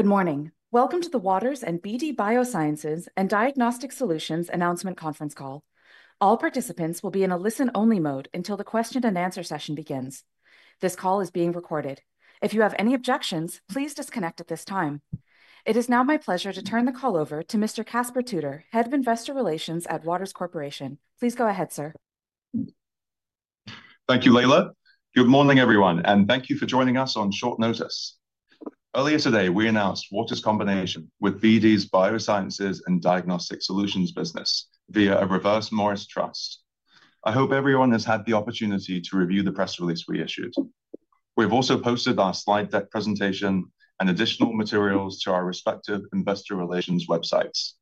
Good morning. Welcome to the Waters and BD Biosciences and Diagnostic Solutions Announcement Conference call. All participants will be in a listen-only mode until the question-and-answer session begins. This call is being recorded. If you have any objections, please disconnect at this time. It is now my pleasure to turn the call over to Mr. Caspar Tudor, Head of Investor Relations at Waters Corporation. Please go ahead, sir. Thank you, Leila. Good morning, everyone, and thank you for joining us on short notice. Earlier today, we announced Waters' combination with BD's Biosciences and Diagnostic Solutions business via a reverse Morris trust. I hope everyone has had the opportunity to review the press release we issued. We have also posted our slide deck presentation and additional materials to our respective investor relations websites.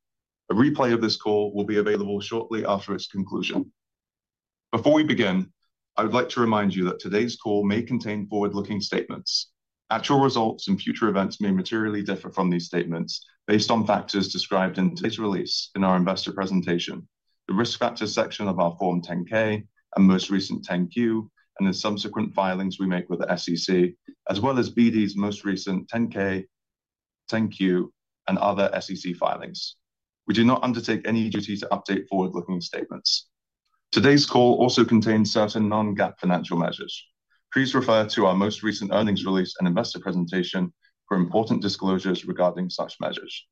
A replay of this call will be available shortly after its conclusion. Before we begin, I would like to remind you that today's call may contain forward-looking statements. Actual results and future events may materially differ from these statements based on factors described in today's release in our investor presentation, the risk factors section of our Form 10-K and most recent 10-Q, and the subsequent filings we make with the SEC, as well as BD's most recent 10-K, 10-Q, and other SEC filings. We do not undertake any duty to update forward-looking statements. Today's call also contains certain non-GAAP financial measures. Please refer to our most recent earnings release and investor presentation for important disclosures regarding such measures.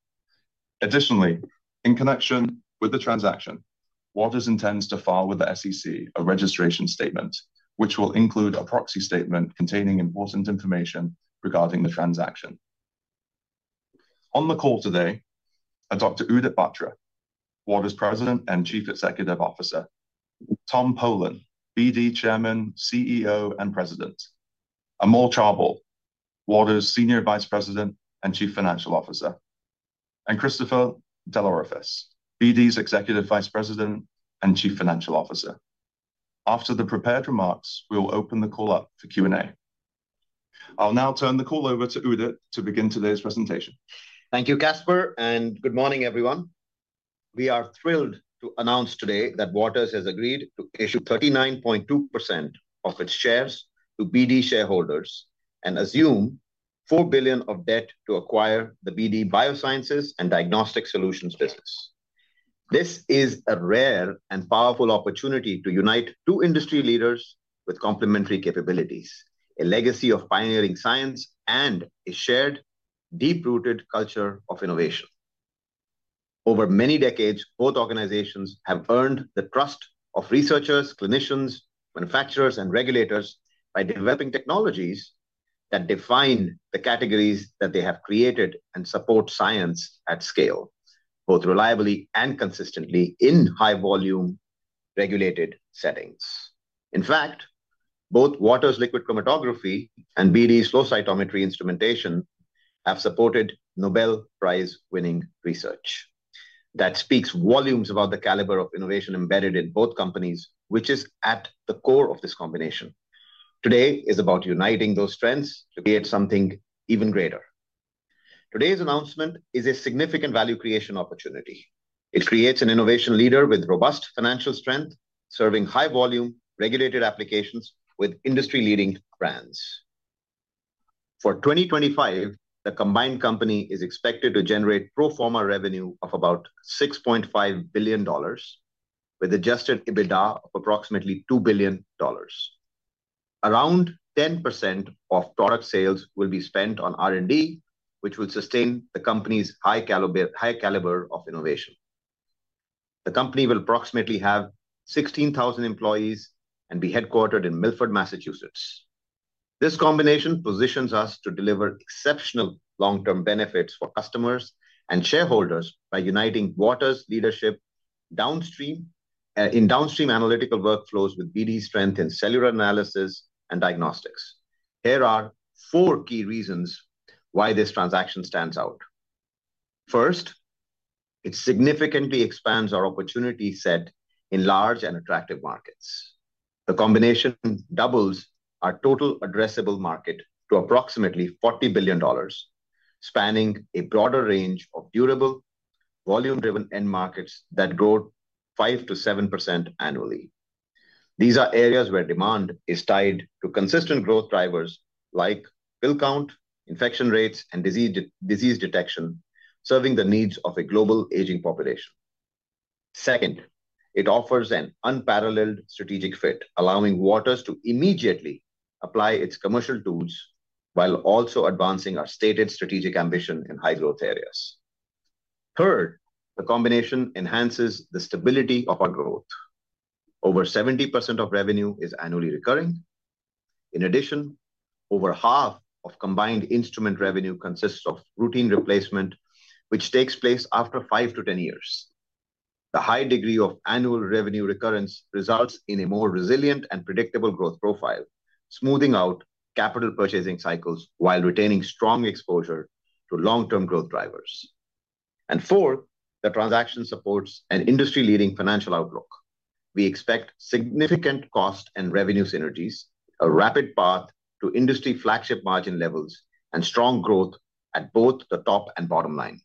Additionally, in connection with the transaction, Waters intends to file with the SEC a registration statement, which will include a proxy statement containing important information regarding the transaction. On the call today are Dr. Udit Batra, Waters President and Chief Executive Officer; Tom Polen, BD Chairman, CEO, and President; Amol Chaubal, Waters Senior Vice President and Chief Financial Officer; and Christopher DelOrefice, BD's Executive Vice President and Chief Financial Officer. After the prepared remarks, we will open the call up for Q&A. I'll now turn the call over to Udit to begin today's presentation. Thank you, Caspar, and good morning, everyone. We are thrilled to announce today that Waters has agreed to issue 39.2% of its shares to BD shareholders and assume $4 billion of debt to acquire the BD Biosciences and Diagnostic Solutions business. This is a rare and powerful opportunity to unite two industry leaders with complementary capabilities, a legacy of pioneering science, and a shared, deep-rooted culture of innovation. Over many decades, both organizations have earned the trust of researchers, clinicians, manufacturers, and regulators by developing technologies that define the categories that they have created and support science at scale, both reliably and consistently in high-volume regulated settings. In fact, both Waters' liquid chromatography and BD's flow cytometry instrumentation have supported Nobel Prize-winning research. That speaks volumes about the caliber of innovation embedded in both companies, which is at the core of this combination. Today is about uniting those strengths to create something even greater. Today's announcement is a significant value creation opportunity. It creates an innovation leader with robust financial strength, serving high-volume regulated applications with industry-leading brands. For 2025, the combined company is expected to generate pro forma revenue of about $6.5 billion, with adjusted EBITDA of approximately $2 billion. Around 10% of product sales will be spent on R&D, which will sustain the company's high caliber of innovation. The company will approximately have 16,000 employees and be headquartered in Milford, Massachusetts. This combination positions us to deliver exceptional long-term benefits for customers and shareholders by uniting Waters' leadership in downstream analytical workflows with BD's strength in cellular analysis and diagnostics. Here are four key reasons why this transaction stands out. First, it significantly expands our opportunity set in large and attractive markets. The combination doubles our total addressable market to approximately $40 billion. Spanning a broader range of durable, volume-driven end markets that grow 5%-7% annually. These are areas where demand is tied to consistent growth drivers like fill count, infection rates, and disease detection, serving the needs of a global aging population. Second, it offers an unparalleled strategic fit, allowing Waters to immediately apply its commercial tools while also advancing our stated strategic ambition in high-growth areas. Third, the combination enhances the stability of our growth. Over 70% of revenue is annually recurring. In addition, over half of combined instrument revenue consists of routine replacement, which takes place after 5-10 years. The high degree of annual revenue recurrence results in a more resilient and predictable growth profile, smoothing out capital purchasing cycles while retaining strong exposure to long-term growth drivers. The transaction supports an industry-leading financial outlook. We expect significant cost and revenue synergies, a rapid path to industry flagship margin levels, and strong growth at both the top and bottom line.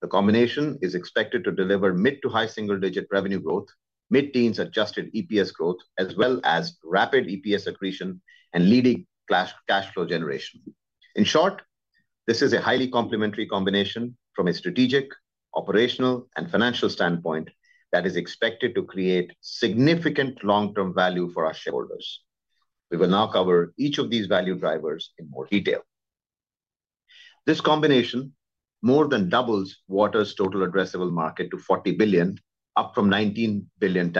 The combination is expected to deliver mid to high single-digit revenue growth, mid-teens adjusted EPS growth, as well as rapid EPS accretion and leading cash flow generation. In short, this is a highly complementary combination from a strategic, operational, and financial standpoint that is expected to create significant long-term value for our shareholders. We will now cover each of these value drivers in more detail. This combination more than doubles Waters' total addressable market to $40 billion, up from $19 billion.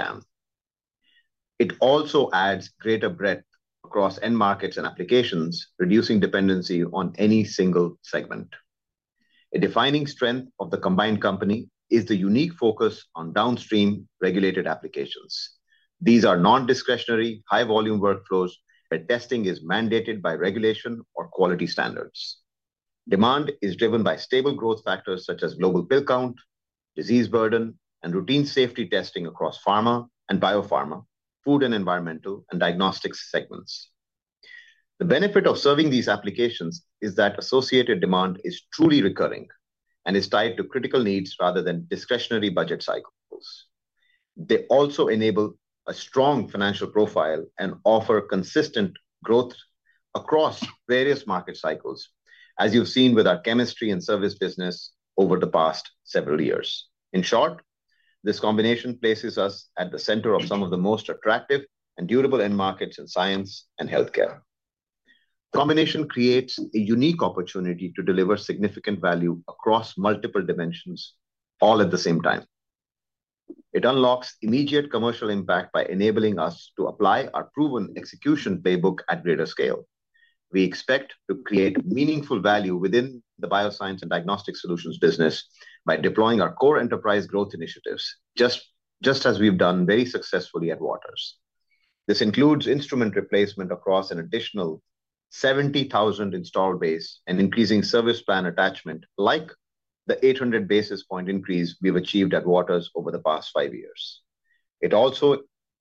It also adds greater breadth across end markets and applications, reducing dependency on any single segment. A defining strength of the combined company is the unique focus on downstream regulated applications. These are non-discretionary, high-volume workflows where testing is mandated by regulation or quality standards. Demand is driven by stable growth factors such as global fill count, disease burden, and routine safety testing across pharma and biopharma, food and environmental, and diagnostics segments. The benefit of serving these applications is that associated demand is truly recurring and is tied to critical needs rather than discretionary budget cycles. They also enable a strong financial profile and offer consistent growth across various market cycles, as you've seen with our chemistry and service business over the past several years. In short, this combination places us at the center of some of the most attractive and durable end markets in science and healthcare. The combination creates a unique opportunity to deliver significant value across multiple dimensions all at the same time. It unlocks immediate commercial impact by enabling us to apply our proven execution playbook at greater scale. We expect to create meaningful value within Bioscience and Diagnostic Solutions business by deploying our core enterprise growth initiatives, just as we've done very successfully at Waters. This includes instrument replacement across an additional 70,000 installed base and increasing service plan attachment, like the 800 basis point increase we've achieved at Waters over the past five years. It also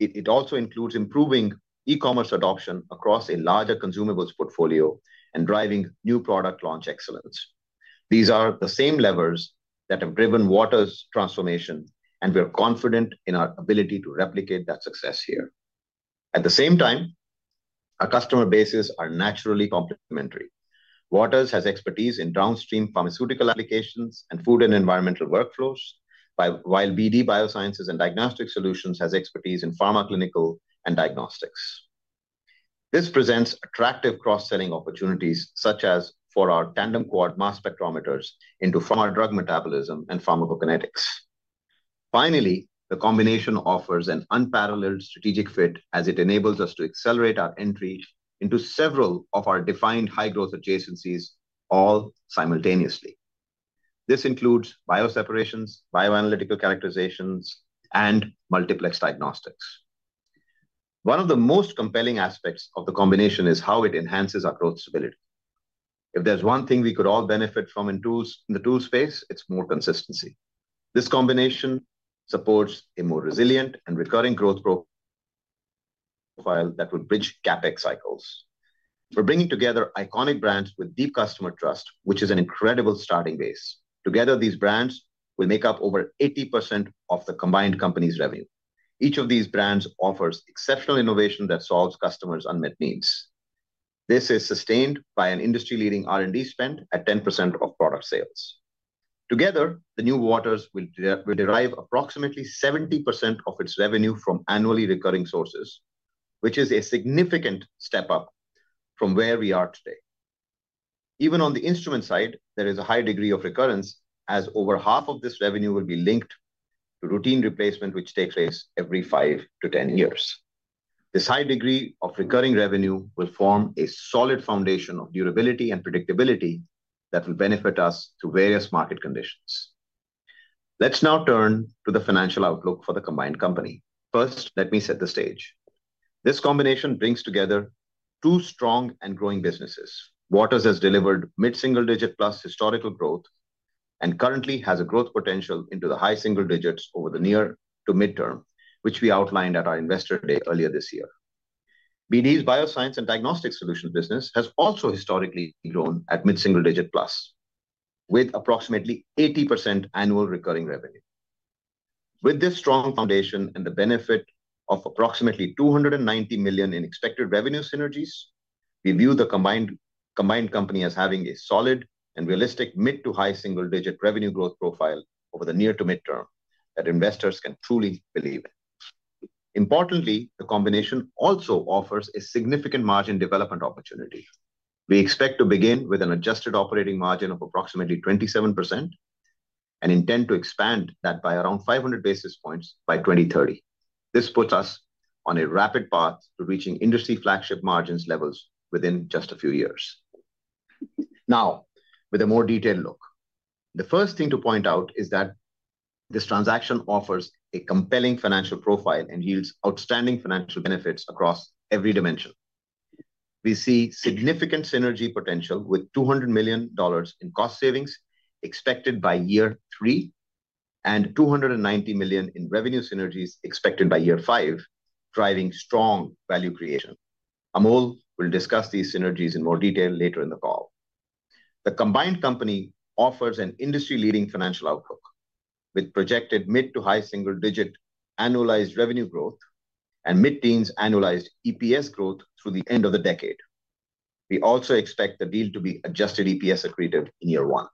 includes improving e-commerce adoption across a larger consumables portfolio and driving new product launch excellence. These are the same levers that have driven Waters' transformation, and we are confident in our ability to replicate that success here. At the same time, our customer bases are naturally complementary. Waters has expertise in downstream pharmaceutical applications and food and environmental workflows, while BD Biosciences and Diagnostic Solutions has expertise in pharma clinical and diagnostics. This presents attractive cross-selling opportunities, such as for our tandem-quad mass spectrometers into pharma drug metabolism and pharmacokinetics. Finally, the combination offers an unparalleled strategic fit as it enables us to accelerate our entry into several of our defined high-growth adjacencies all simultaneously. This includes bioseparations, bioanalytical characterizations, and multiplex diagnostics. One of the most compelling aspects of the combination is how it enhances our growth stability. If there's one thing we could all benefit from in the tool space, it's more consistency. This combination supports a more resilient and recurring growth profile that will bridge CapEx cycles. We're bringing together iconic brands with deep customer trust, which is an incredible starting base. Together, these brands will make up over 80% of the combined company's revenue. Each of these brands offers exceptional innovation that solves customers' unmet needs. This is sustained by an industry-leading R&D spend at 10% of product sales. Together, the new Waters will derive approximately 70% of its revenue from annually recurring sources, which is a significant step up from where we are today. Even on the instrument side, there is a high degree of recurrence, as over half of this revenue will be linked to routine replacement, which takes place every 5-10 years. This high degree of recurring revenue will form a solid foundation of durability and predictability that will benefit us through various market conditions. Let's now turn to the financial outlook for the combined company. First, let me set the stage. This combination brings together two strong and growing businesses. Waters has delivered mid-single-digit plus historical growth and currently has a growth potential into the high single digits over the near to midterm, which we outlined at our investor day earlier this year. BD's Biosciences and Diagnostic Solutions business has also historically grown at mid-single-digit plus, with approximately 80% annual recurring revenue. With this strong foundation and the benefit of approximately $290 million in expected revenue synergies, we view the combined company as having a solid and realistic mid to high single-digit revenue growth profile over the near to midterm that investors can truly believe in. Importantly, the combination also offers a significant margin development opportunity. We expect to begin with an adjusted operating margin of approximately 27%. We intend to expand that by around 500 basis points by 2030. This puts us on a rapid path to reaching industry flagship margin levels within just a few years. Now, with a more detailed look, the first thing to point out is that this transaction offers a compelling financial profile and yields outstanding financial benefits across every dimension. We see significant synergy potential with $200 million in cost savings expected by year three and $290 million in revenue synergies expected by year five, driving strong value creation. Amol will discuss these synergies in more detail later in the call. The combined company offers an industry-leading financial outlook with projected mid to high single-digit annualized revenue growth and mid-teens annualized EPS growth through the end of the decade. We also expect the deal to be adjusted EPS accretive in year one.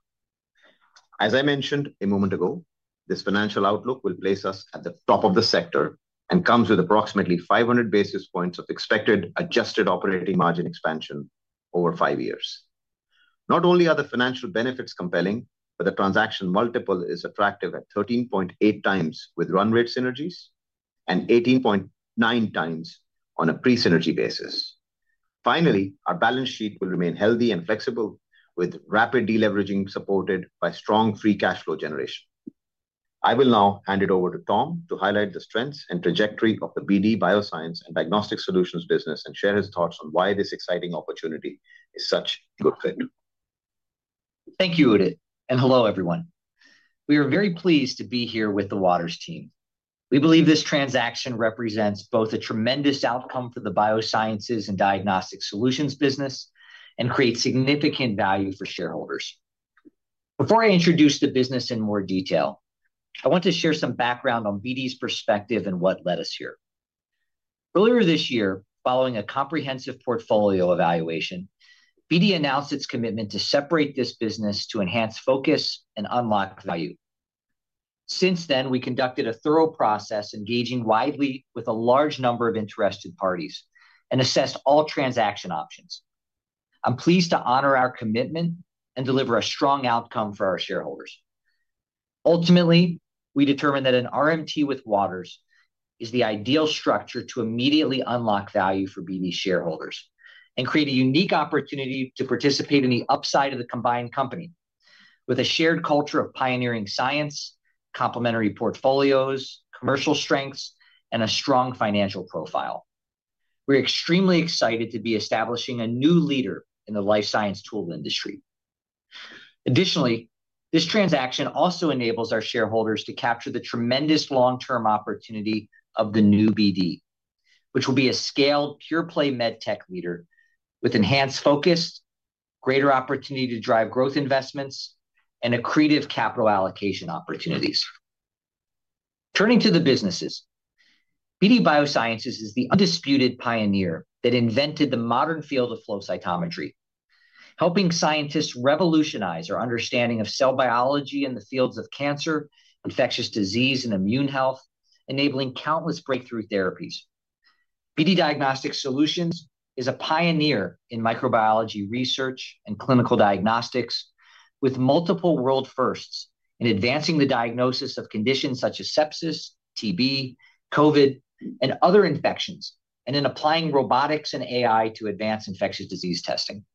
As I mentioned a moment ago, this financial outlook will place us at the top of the sector and comes with approximately 500 basis points of expected adjusted operating margin expansion over five years. Not only are the financial benefits compelling, but the transaction multiple is attractive at 13.8x with run rate synergies and 18.9x on a pre-synergy basis. Finally, our balance sheet will remain healthy and flexible, with rapid deleveraging supported by strong free cash flow generation. I will now hand it over to Tom to highlight the strengths and trajectory of the Bioscience and Diagnostic Solutions business and share his thoughts on why this exciting opportunity is such a good fit. Thank you, Udit. Hello, everyone. We are very pleased to be here with the Waters team. We believe this transaction represents both a tremendous outcome for the Biosciences and Diagnostic Solutions business and creates significant value for shareholders. Before I introduce the business in more detail, I want to share some background on BD's perspective and what led us here. Earlier this year, following a comprehensive portfolio evaluation, BD announced its commitment to separate this business to enhance focus and unlock value. Since then, we conducted a thorough process engaging widely with a large number of interested parties and assessed all transaction options. I'm pleased to honor our commitment and deliver a strong outcome for our shareholders. Ultimately, we determined that an RMT with Waters is the ideal structure to immediately unlock value for BD shareholders and create a unique opportunity to participate in the upside of the combined company with a shared culture of pioneering science, complementary portfolios, commercial strengths, and a strong financial profile. We're extremely excited to be establishing a new leader in the life science tool industry. Additionally, this transaction also enables our shareholders to capture the tremendous long-term opportunity of the new BD, which will be a scaled pure-play medtech leader with enhanced focus, greater opportunity to drive growth investments, and accretive capital allocation opportunities. Turning to the businesses. BD Biosciences is the undisputed pioneer that invented the modern field of flow cytometry, helping scientists revolutionize our understanding of cell biology in the fields of cancer, infectious disease, and immune health, enabling countless breakthrough therapies. BD Diagnostic Solutions is a pioneer in microbiology research and clinical diagnostics, with multiple world firsts in advancing the diagnosis of conditions such as sepsis, TB, COVID, and other infections, and in applying robotics and AI to advance infectious disease testing.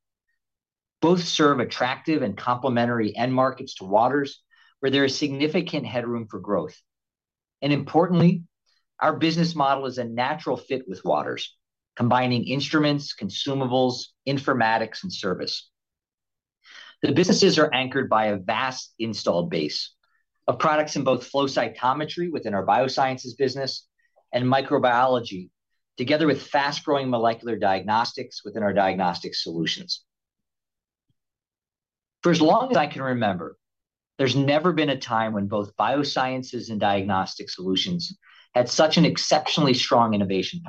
Both serve attractive and complementary end markets to Waters, where there is significant headroom for growth. Importantly, our business model is a natural fit with Waters, combining instruments, consumables, informatics, and service. The businesses are anchored by a vast installed base of products in both flow cytometry within our Biosciences business and microbiology, together with fast-growing molecular diagnostics within our Diagnostic Solutions. For as long as I can remember, there has never been a time when both Biosciences and Diagnostic Solutions had such exceptionally strong innovation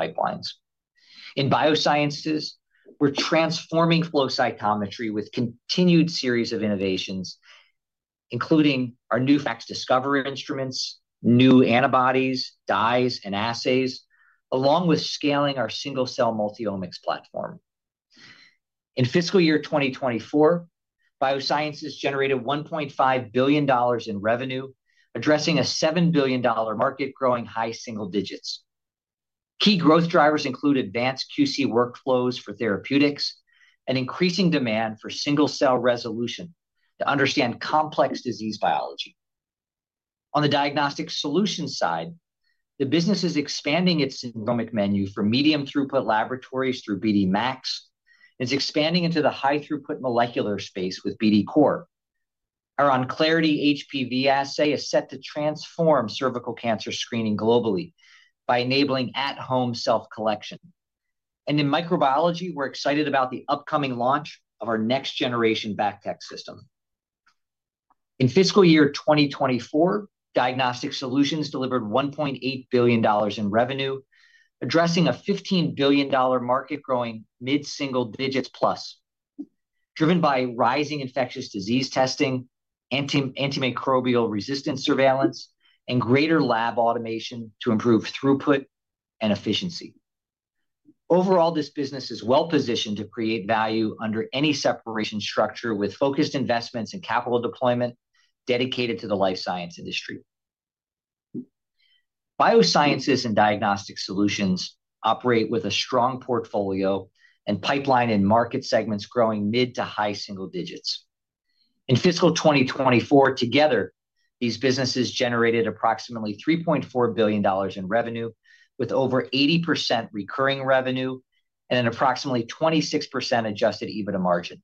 pipelines. In Biosciences, we are transforming flow cytometry with a continued series of innovations, including our new FACSDiscover instruments, new antibodies, dyes, and assays, along with scaling our single-cell multi-omics platform. In fiscal year 2024, Biosciences generated $1.5 billion in revenue, addressing a $7 billion market growing high single digits. Key growth drivers include advanced QC workflows for therapeutics and increasing demand for single-cell resolution to understand complex disease biology. On the Diagnostic Solutions side, the business is expanding its genomic menu for medium throughput laboratories through BD MAX and is expanding into the high throughput molecular space with BD COR. Our OnClarity HPV assay is set to transform cervical cancer screening globally by enabling at-home self-collection. In microbiology, we're excited about the upcoming launch of our next-generation BACTEC system. In fiscal year 2024, Diagnostic Solutions delivered $1.8 billion in revenue, addressing a $15 billion market growing mid-single digits plus, driven by rising infectious disease testing, antimicrobial resistance surveillance, and greater lab automation to improve throughput and efficiency. Overall, this business is well-positioned to create value under any separation structure with focused investments and capital deployment dedicated to the life science industry. Biosciences and Diagnostic Solutions operate with a strong portfolio and pipeline in market segments growing mid to high single digits. In fiscal 2024, together, these businesses generated approximately $3.4 billion in revenue, with over 80% recurring revenue and an approximately 26% adjusted EBITDA margin,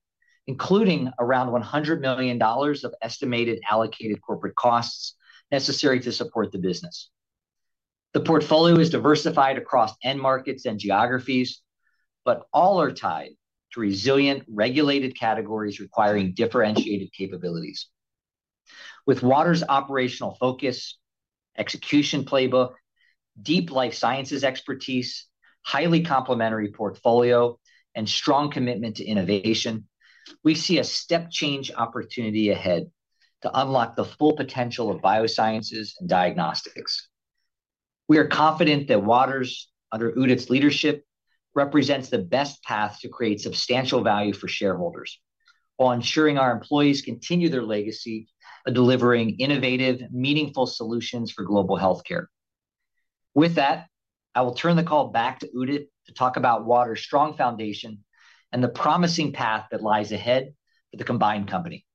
including around $100 million of estimated allocated corporate costs necessary to support the business. The portfolio is diversified across end markets and geographies, but all are tied to resilient regulated categories requiring differentiated capabilities. With Waters' operational focus, execution playbook, deep life sciences expertise, highly complementary portfolio, and strong commitment to innovation, we see a step-change opportunity ahead to unlock the full potential of Biosciences and Diagnostics. We are confident that Waters, under Udit's leadership, represents the best path to create substantial value for shareholders while ensuring our employees continue their legacy of delivering innovative, meaningful solutions for global healthcare. With that, I will turn the call back to Udit to talk about Waters' strong foundation and the promising path that lies ahead for the combined company.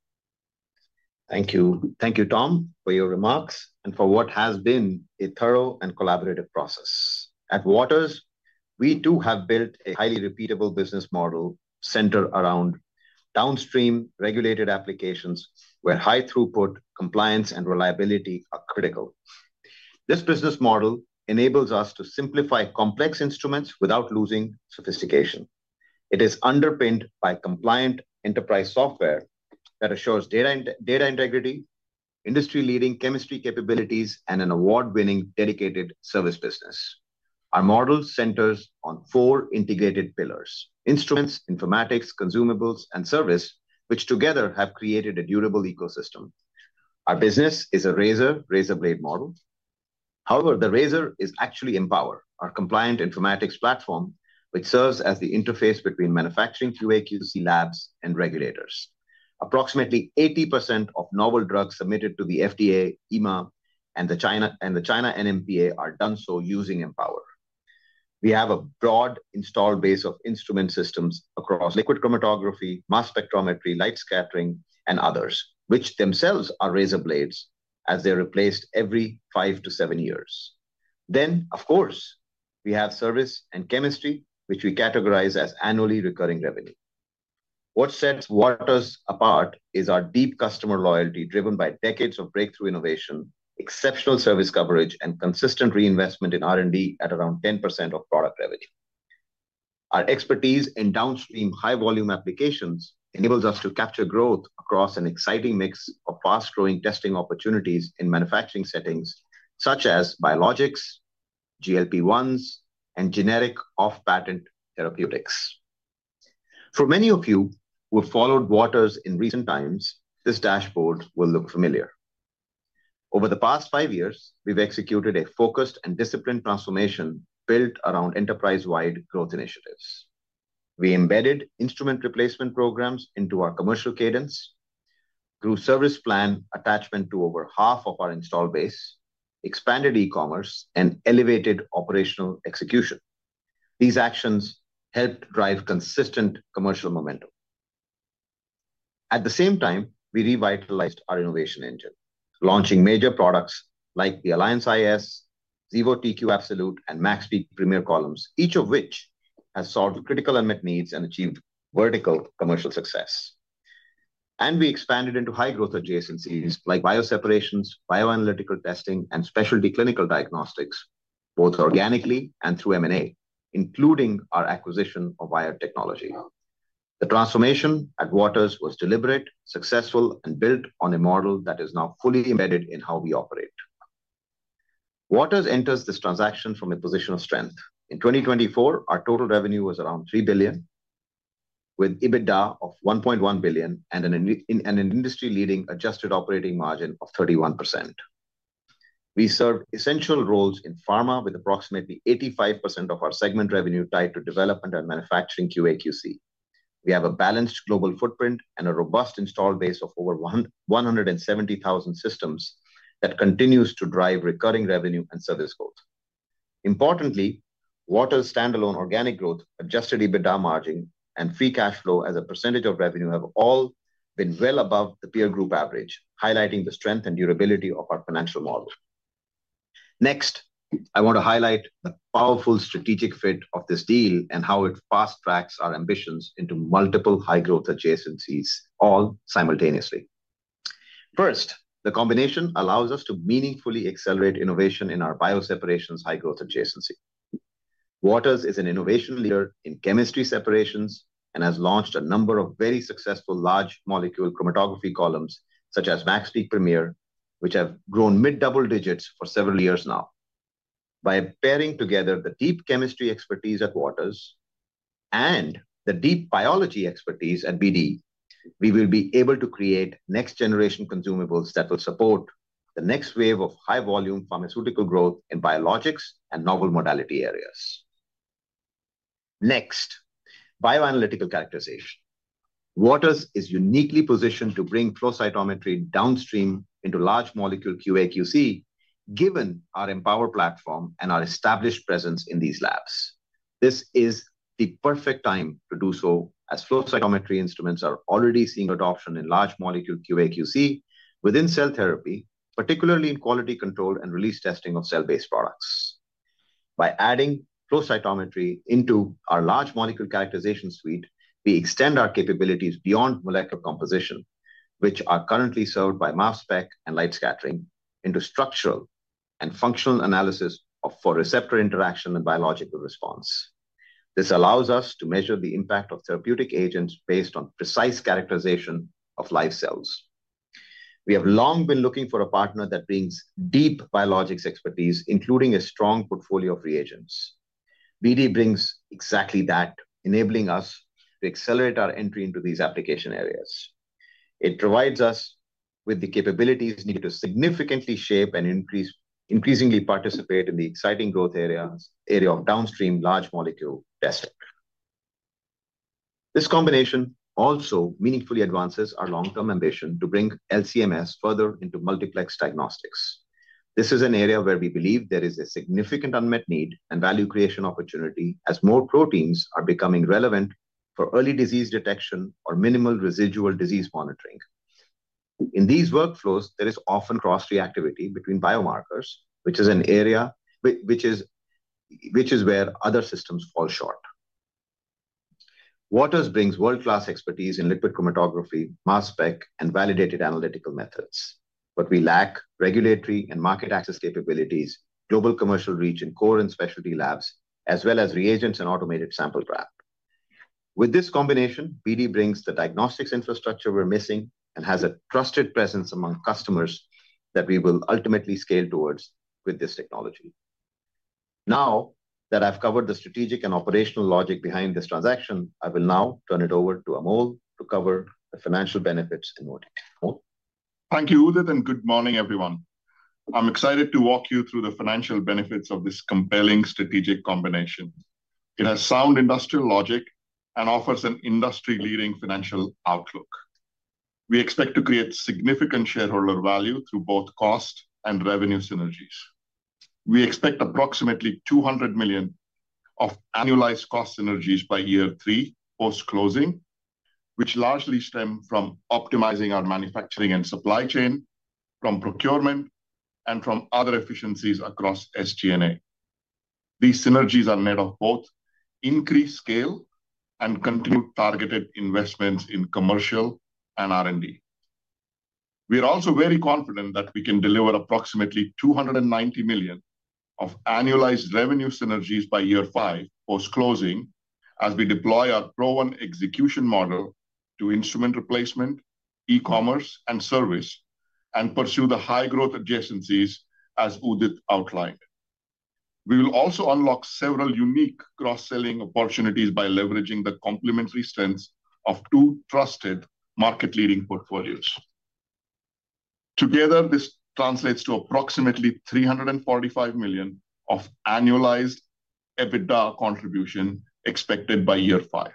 Thank you. Thank you, Tom, for your remarks and for what has been a thorough and collaborative process. At Waters, we too have built a highly repeatable business model centered around downstream regulated applications where high throughput, compliance, and reliability are critical. This business model enables us to simplify complex instruments without losing sophistication. It is underpinned by compliant enterprise software that assures data integrity, industry-leading chemistry capabilities, and an award-winning dedicated service business. Our model centers on four integrated pillars: instruments, informatics, consumables, and service, which together have created a durable ecosystem. Our business is a razor-razor blade model. However, the razor is actually Empower, our compliant informatics platform, which serves as the interface between manufacturing QA/QC labs and regulators. Approximately 80% of novel drugs submitted to the FDA, EMA, and the China NMPA are done so using Empower. We have a broad installed base of instrument systems across liquid chromatography, mass spectrometry, light scattering, and others, which themselves are razor blades as they're replaced every 5-7 years. Then, of course, we have service and chemistry, which we categorize as annually recurring revenue. What sets Waters apart is our deep customer loyalty driven by decades of breakthrough innovation, exceptional service coverage, and consistent reinvestment in R&D at around 10% of product revenue. Our expertise in downstream high-volume applications enables us to capture growth across an exciting mix of fast-growing testing opportunities in manufacturing settings such as biologics, GLP-1s, and generic off-patent therapeutics. For many of you who have followed Waters in recent times, this dashboard will look familiar. Over the past five years, we've executed a focused and disciplined transformation built around enterprise-wide growth initiatives. We embedded instrument replacement programs into our commercial cadence. Through service plan attachment to over half of our installed base, expanded e-commerce, and elevated operational execution. These actions helped drive consistent commercial momentum. At the same time, we revitalized our innovation engine, launching major products like the Alliance iS, Xevo TQ Absolute, and MaxPeak Premier columns, each of which has solved critical unmet needs and achieved vertical commercial success. We expanded into high-growth adjacencies like bioseparations, bioanalytical testing, and specialty clinical diagnostics, both organically and through M&A, including our acquisition of biotechnology. The transformation at Waters was deliberate, successful, and built on a model that is now fully embedded in how we operate. Waters enters this transaction from a position of strength. In 2024, our total revenue was around $3 billion. With EBITDA of $1.1 billion and an industry-leading adjusted operating margin of 31%. We serve essential roles in pharma, with approximately 85% of our segment revenue tied to development and manufacturing QA/QC. We have a balanced global footprint and a robust installed base of over 170,000 systems that continues to drive recurring revenue and service growth. Importantly, Waters' standalone organic growth, adjusted EBITDA margin, and free cash flow as a percentage of revenue have all been well above the peer group average, highlighting the strength and durability of our financial model. Next, I want to highlight the powerful strategic fit of this deal and how it fast-tracks our ambitions into multiple high-growth adjacencies, all simultaneously. First, the combination allows us to meaningfully accelerate innovation in our bioseparations high-growth adjacency. Waters is an innovation leader in chemistry separations and has launched a number of very successful large molecule chromatography columns, such as MaxPeak Premier, which have grown mid-double digits for several years now. By pairing together the deep chemistry expertise at Waters and the deep biology expertise at BD, we will be able to create next-generation consumables that will support the next wave of high-volume pharmaceutical growth in biologics and novel modality areas. Next, bioanalytical characterization. Waters is uniquely positioned to bring flow cytometry downstream into large molecule QA/QC, given our Empower platform and our established presence in these labs. This is the perfect time to do so, as flow cytometry instruments are already seeing adoption in large molecule QA/QC within cell therapy, particularly in quality control and release testing of cell-based products. By adding flow cytometry into our large molecule characterization suite, we extend our capabilities beyond molecular composition, which are currently served by mass spec and light scattering, into structural and functional analysis for receptor interaction and biological response. This allows us to measure the impact of therapeutic agents based on precise characterization of live cells. We have long been looking for a partner that brings deep biologics expertise, including a strong portfolio of reagents. BD brings exactly that, enabling us to accelerate our entry into these application areas. It provides us with the capabilities needed to significantly shape and increasingly participate in the exciting growth area of downstream large molecule testing. This combination also meaningfully advances our long-term ambition to bring LCMS further into multiplex diagnostics. This is an area where we believe there is a significant unmet need and value creation opportunity, as more proteins are becoming relevant for early disease detection or minimal residual disease monitoring. In these workflows, there is often cross-reactivity between biomarkers, which is an area where other systems fall short. Waters brings world-class expertise in liquid chromatography, mass spec, and validated analytical methods, but we lack regulatory and market access capabilities, global commercial reach, and core and specialty labs, as well as reagents and automated sample grab. With this combination, BD brings the diagnostics infrastructure we're missing and has a trusted presence among customers that we will ultimately scale towards with this technology. Now that I've covered the strategic and operational logic behind this transaction, I will now turn it over to Amol to cover the financial benefits in order. Thank you, Udit, and good morning, everyone. I'm excited to walk you through the financial benefits of this compelling strategic combination. It has sound industrial logic and offers an industry-leading financial outlook. We expect to create significant shareholder value through both cost and revenue synergies. We expect approximately $200 million of annualized cost synergies by year three post-closing, which largely stem from optimizing our manufacturing and supply chain, from procurement, and from other efficiencies across SG&A. These synergies are made of both increased scale and continued targeted investments in commercial and R&D. We are also very confident that we can deliver approximately $290 million of annualized revenue synergies by year five post-closing as we deploy our pro-one execution model to instrument replacement, e-commerce, and service, and pursue the high-growth adjacencies, as Udit outlined. We will also unlock several unique cross-selling opportunities by leveraging the complementary strengths of two trusted market-leading portfolios. Together, this translates to approximately $345 million of annualized EBITDA contribution expected by year five.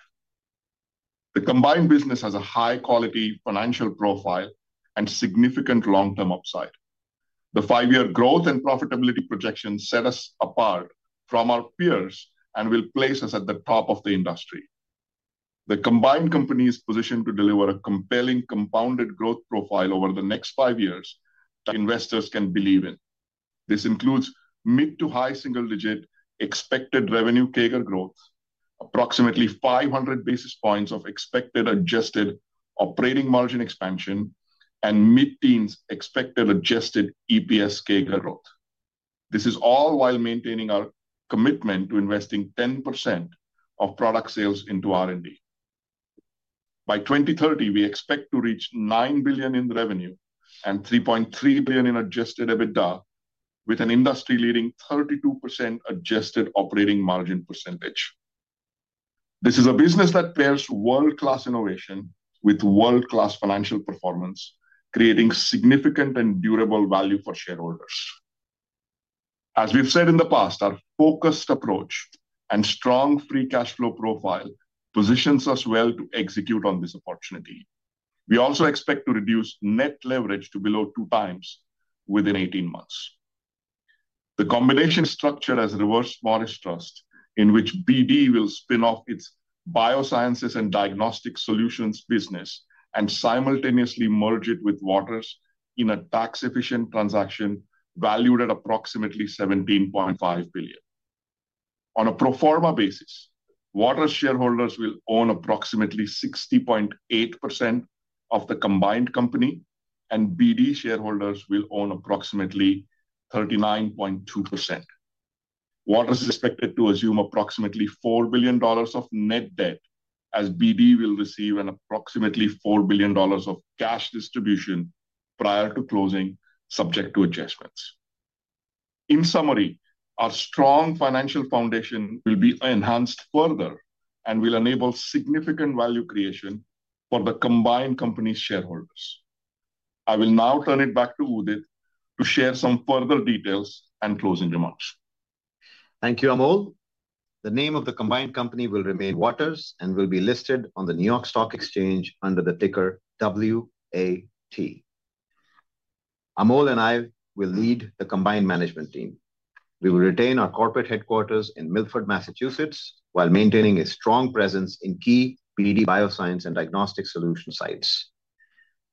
The combined business has a high-quality financial profile and significant long-term upside. The five-year growth and profitability projections set us apart from our peers and will place us at the top of the industry. The combined company is positioned to deliver a compelling compounded growth profile over the next five years that investors can believe in. This includes mid to high single-digit expected revenue CAGR growth, approximately 500 basis points of expected adjusted operating margin expansion, and mid-teens expected adjusted EPS CAGR growth. This is all while maintaining our commitment to investing 10% of product sales into R&D. By 2030, we expect to reach $9 billion in revenue and $3.3 billion in adjusted EBITDA, with an industry-leading 32% adjusted operating margin percentage. This is a business that pairs world-class innovation with world-class financial performance, creating significant and durable value for shareholders. As we've said in the past, our focused approach and strong free cash flow profile positions us well to execute on this opportunity. We also expect to reduce net leverage to below 2x within 18 months. The combination structure has Reverse Morris Trust, in which BD will spin off its Biosciences and Diagnostic Solutions business and simultaneously merge it with Waters in a tax-efficient transaction valued at approximately $17.5 billion. On a pro forma basis, Waters shareholders will own approximately 60.8% of the combined company, and BD shareholders will own approximately 39.2%. Waters is expected to assume approximately $4 billion of net debt, as BD will receive an approximately $4 billion of cash distribution prior to closing, subject to adjustments. In summary, our strong financial foundation will be enhanced further and will enable significant value creation for the combined company's shareholders. I will now turn it back to Udit to share some further details and closing remarks. Thank you, Amol. The name of the combined company will remain Waters and will be listed on the New York Stock Exchange under the ticker WAT. Amol and I will lead the combined management team. We will retain our corporate headquarters in Milford, Massachusetts, while maintaining a strong presence in key BD Bioscience and Diagnostic Solution sites.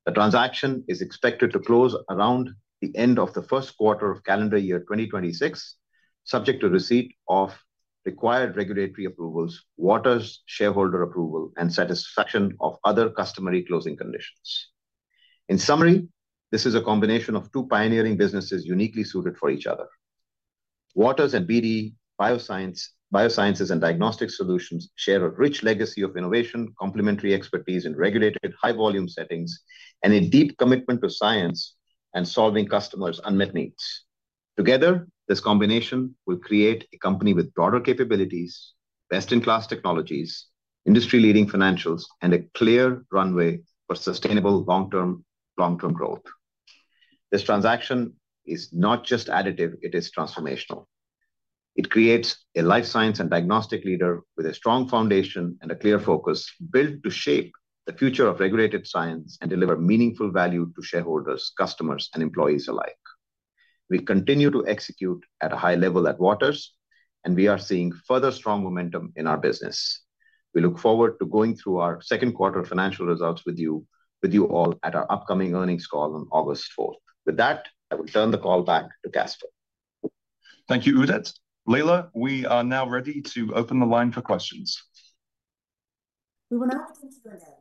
The transaction is expected to close around the end of the first quarter of calendar year 2026, subject to receipt of required regulatory approvals, Waters shareholder approval, and satisfaction of other customary closing conditions. In summary, this is a combination of two pioneering businesses uniquely suited for each other. Waters and BD Biosciences and Diagnostic Solutions share a rich legacy of innovation, complementary expertise in regulated high-volume settings, and a deep commitment to science and solving customers' unmet needs. Together, this combination will create a company with broader capabilities, best-in-class technologies, industry-leading financials, and a clear runway for sustainable long-term growth. This transaction is not just additive; it is transformational. It creates a life science and diagnostic leader with a strong foundation and a clear focus built to shape the future of regulated science and deliver meaningful value to shareholders, customers, and employees alike. We continue to execute at a high level at Waters, and we are seeing further strong momentum in our business. We look forward to going through our second quarter financial results with you all at our upcoming earnings call on August 4th. With that, I will turn the call back to Caspar. Thank you, Udit. Leila, we are now ready to open the line for questions. We will now continue again.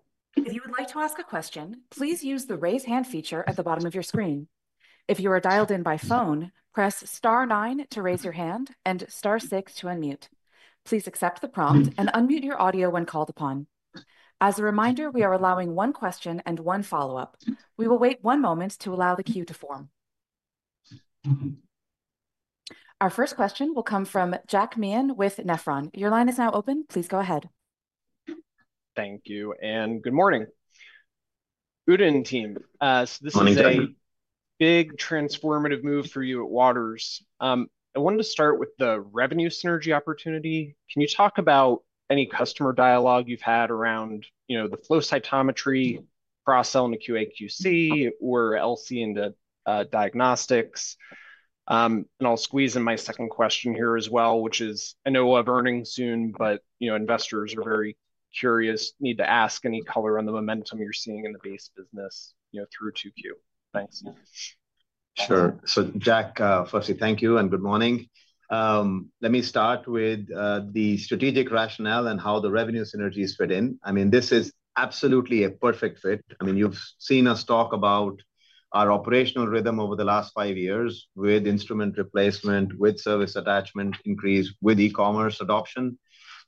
If you would like to ask a question, please use the raise hand feature at the bottom of your screen. If you are dialed in by phone, press star 9 to raise your hand and star 6 to unmute. Please accept the prompt and unmute your audio when called upon. As a reminder, we are allowing one question and one follow-up. We will wait one moment to allow the queue to form. Our first question will come from Jack Mann with Nephron. Your line is now open. Please go ahead. Thank you, and good morning. Udit and team, this is a big transformative move for you at Waters. I wanted to start with the revenue synergy opportunity. Can you talk about any customer dialogue you've had around the flow cytometry, cross-selling to QA/QC, or LC into diagnostics? I'll squeeze in my second question here as well, which is, I know we'll have earnings soon, but investors are very curious, need to ask any color on the momentum you're seeing in the base business through 2Q. Thanks. Sure. Jack, firstly, thank you and good morning. Let me start with the strategic rationale and how the revenue synergies fit in. I mean, this is absolutely a perfect fit. You've seen us talk about our operational rhythm over the last five years with instrument replacement, with service attachment increase, with e-commerce adoption.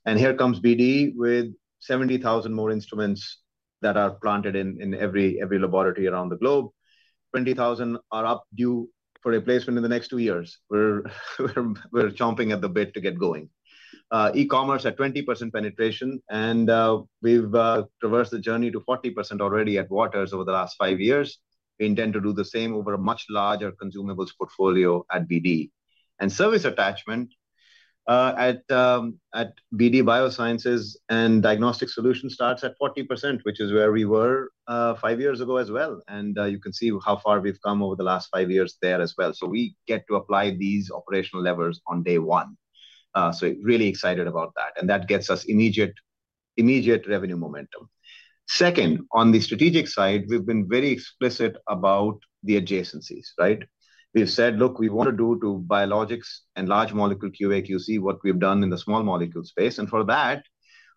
Here comes BD with 70,000 more instruments that are planted in every laboratory around the globe. 20,000 are up due for replacement in the next two years. We're chomping at the bit to get going. E-commerce at 20% penetration, and we've traversed the journey to 40% already at Waters over the last five years. We intend to do the same over a much larger consumables portfolio at BD. Service attachment at BD Biosciences and Diagnostic Solutions starts at 40%, which is where we were five years ago as well. You can see how far we've come over the last five years there as well. We get to apply these operational levers on day one. Really excited about that. That gets us immediate revenue momentum. Second, on the strategic side, we've been very explicit about the adjacencies, right? We've said, "Look, we want to do to biologics and large molecule QA/QC what we've done in the small molecule space." For that,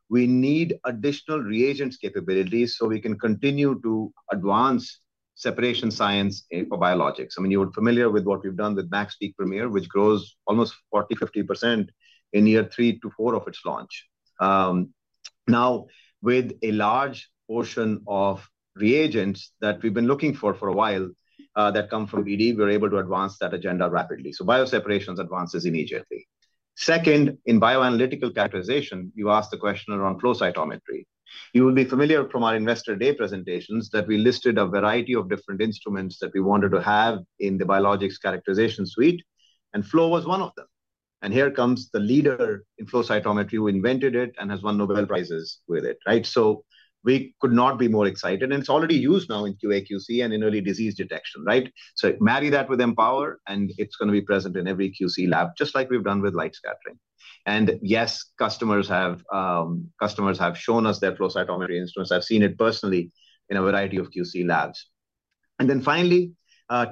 we need additional reagents capabilities so we can continue to advance separation science for biologics. I mean, you're familiar with what we've done with MaxPeak Premier, which grows almost 40%-50% in year three to four of its launch. Now, with a large portion of reagents that we've been looking for for a while that come from BD, we're able to advance that agenda rapidly. Bioseparation advances immediately. Second, in bioanalytical characterization, you asked the question around flow cytometry. You will be familiar from our investor day presentations that we listed a variety of different instruments that we wanted to have in the biologics characterization suite, and flow was one of them. Here comes the leader in flow cytometry who invented it and has won Nobel Prizes with it, right? We could not be more excited. It is already used now in QA/QC and in early disease detection, right? Marry that with Empower, and it is going to be present in every QC lab, just like we have done with light scattering. Yes, customers have shown us their flow cytometry instruments. I have seen it personally in a variety of QC labs. Finally,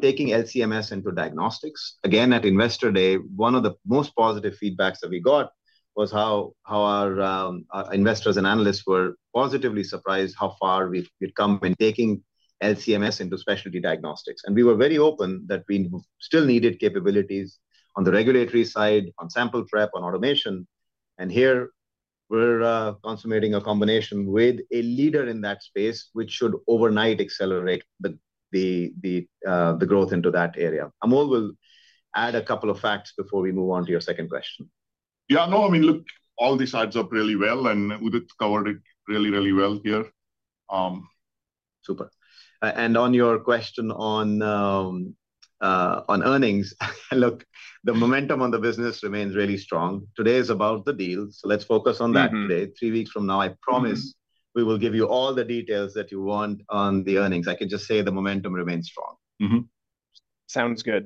taking LCMS into diagnostics. Again, at investor day, one of the most positive feedbacks that we got was how our investors and analysts were positively surprised how far we have come in taking LCMS into specialty diagnostics. We were very open that we still needed capabilities on the regulatory side, on sample prep, on automation. Here, we're consummating a combination with a leader in that space, which should overnight accelerate the growth into that area. Amol will add a couple of facts before we move on to your second question. Yeah, no, I mean, look, all these sides up really well, and Udit covered it really, really well here. Super. On your question on earnings, look, the momentum on the business remains really strong. Today is about the deal. Let's focus on that today. Three weeks from now, I promise we will give you all the details that you want on the earnings. I can just say the momentum remains strong. Sounds good.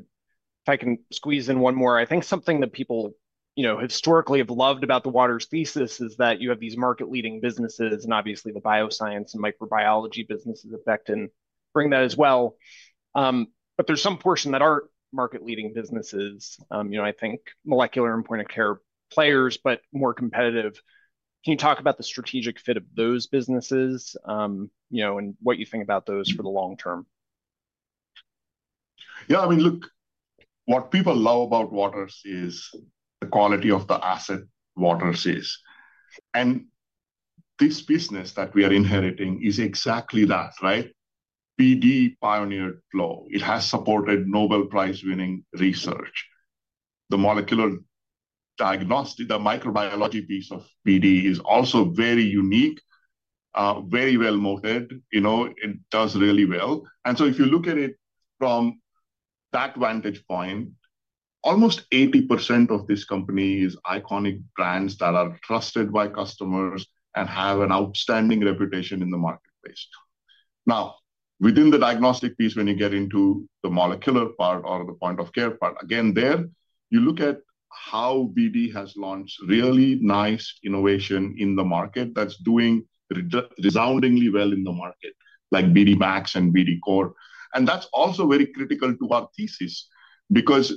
If I can squeeze in one more, I think something that people historically have loved about the Waters thesis is that you have these market-leading businesses, and obviously the bioscience and microbiology businesses affect and bring that as well. There's some portion that aren't market-leading businesses, I think molecular and point-of-care players, but more competitive. Can you talk about the strategic fit of those businesses. What you think about those for the long term? Yeah, I mean, look, what people love about Waters is the quality of the asset Waters is. This business that we are inheriting is exactly that, right? BD pioneered flow. It has supported Nobel Prize-winning research. The molecular diagnostic, the microbiology piece of BD is also very unique. Very well moated. It does really well. If you look at it from that vantage point, almost 80% of this company is iconic brands that are trusted by customers and have an outstanding reputation in the marketplace. Now, within the diagnostic piece, when you get into the molecular part or the point-of-care part, again, there, you look at how BD has launched really nice innovation in the market that's doing resoundingly well in the market, like BD MAX and BD COR. And that's also very critical to our thesis because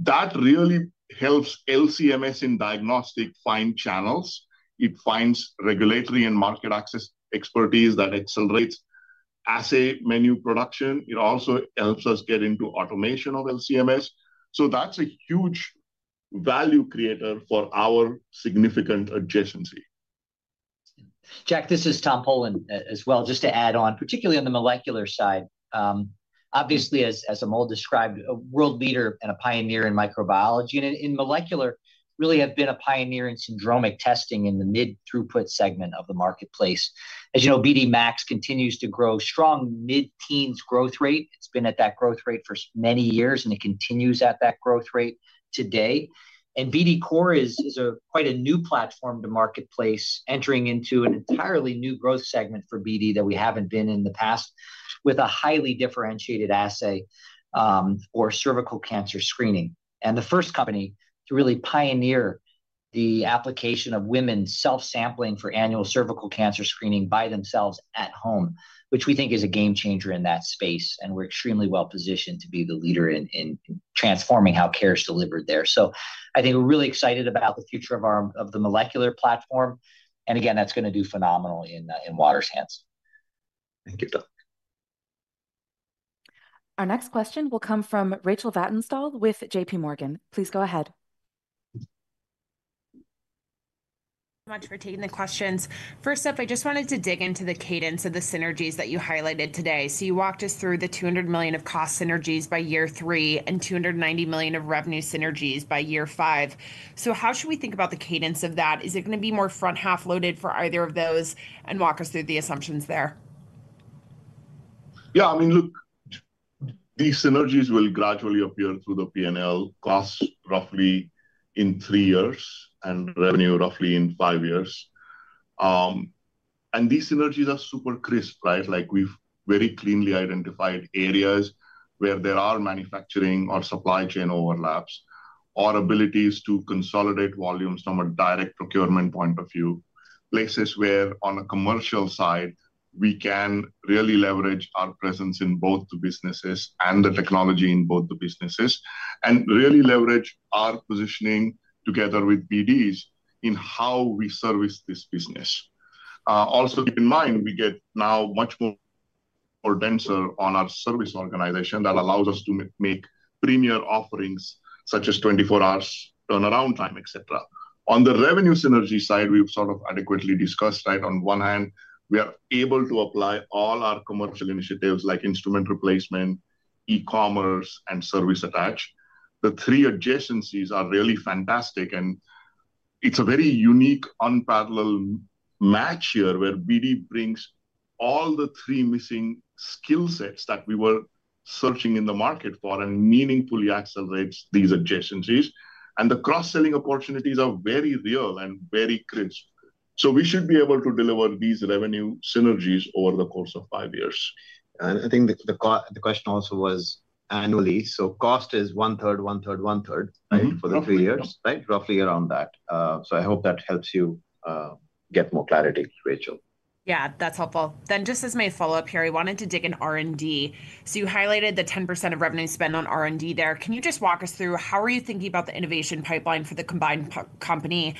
that really helps LCMS in diagnostic find channels. It finds regulatory and market access expertise that accelerates assay menu production. It also helps us get into automation of LCMS. So that's a huge value creator for our significant adjacency. Jack, this is Tom Polen as well, just to add on, particularly on the molecular side. Obviously, as Amol described, a world leader and a pioneer in microbiology. And in molecular, really have been a pioneer in syndromic testing in the mid-throughput segment of the marketplace. As you know, BD MAX continues to grow strong mid-teens growth rate. It's been at that growth rate for many years, and it continues at that growth rate today. BD COR is quite a new platform to marketplace, entering into an entirely new growth segment for BD that we haven't been in the past with a highly differentiated assay for cervical cancer screening. The first company to really pioneer the application of women's self-sampling for annual cervical cancer screening by themselves at home, which we think is a game changer in that space. We are extremely well positioned to be the leader in transforming how care is delivered there. I think we're really excited about the future of the molecular platform. Again, that's going to do phenomenally in Waters' hands. Thank you. Our next question will come from Rachel Vatternstall with JPMorgan. Please go ahead. Thank you so much for taking the questions. First up, I just wanted to dig into the cadence of the synergies that you highlighted today. You walked us through the $200 million of cost synergies by year three and $290 million of revenue synergies by year five. How should we think about the cadence of that? Is it going to be more front half loaded for either of those and walk us through the assumptions there? Yeah, I mean, look. These synergies will gradually appear through the P&L costs roughly in three years and revenue roughly in five years. These synergies are super crisp, right? We've very cleanly identified areas where there are manufacturing or supply chain overlaps or abilities to consolidate volumes from a direct procurement point of view, places where on a commercial side, we can really leverage our presence in both the businesses and the technology in both the businesses, and really leverage our positioning together with BD's in how we service this business. Also, keep in mind, we get now much more denser on our service organization that allows us to make premier offerings such as 24-hour turnaround time, etc. On the revenue synergy side, we've sort of adequately discussed, right? On one hand, we are able to apply all our commercial initiatives like instrument replacement, e-commerce, and service attach. The three adjacencies are really fantastic, and it's a very unique, unparalleled match here where BD brings all the three missing skill sets that we were searching in the market for and meaningfully accelerates these adjacencies. The cross-selling opportunities are very real and very crisp. We should be able to deliver these revenue synergies over the course of five years. I think the question also was annually. Cost is 1/3, 1/3, 1/3, right, for the three years, right? Roughly around that. I hope that helps you get more clarity, Rachel. Yeah, that's helpful. Just as my follow-up here, I wanted to dig in R&D. You highlighted the 10% of revenue spent on R&D there. Can you just walk us through how are you thinking about the innovation pipeline for the combined company?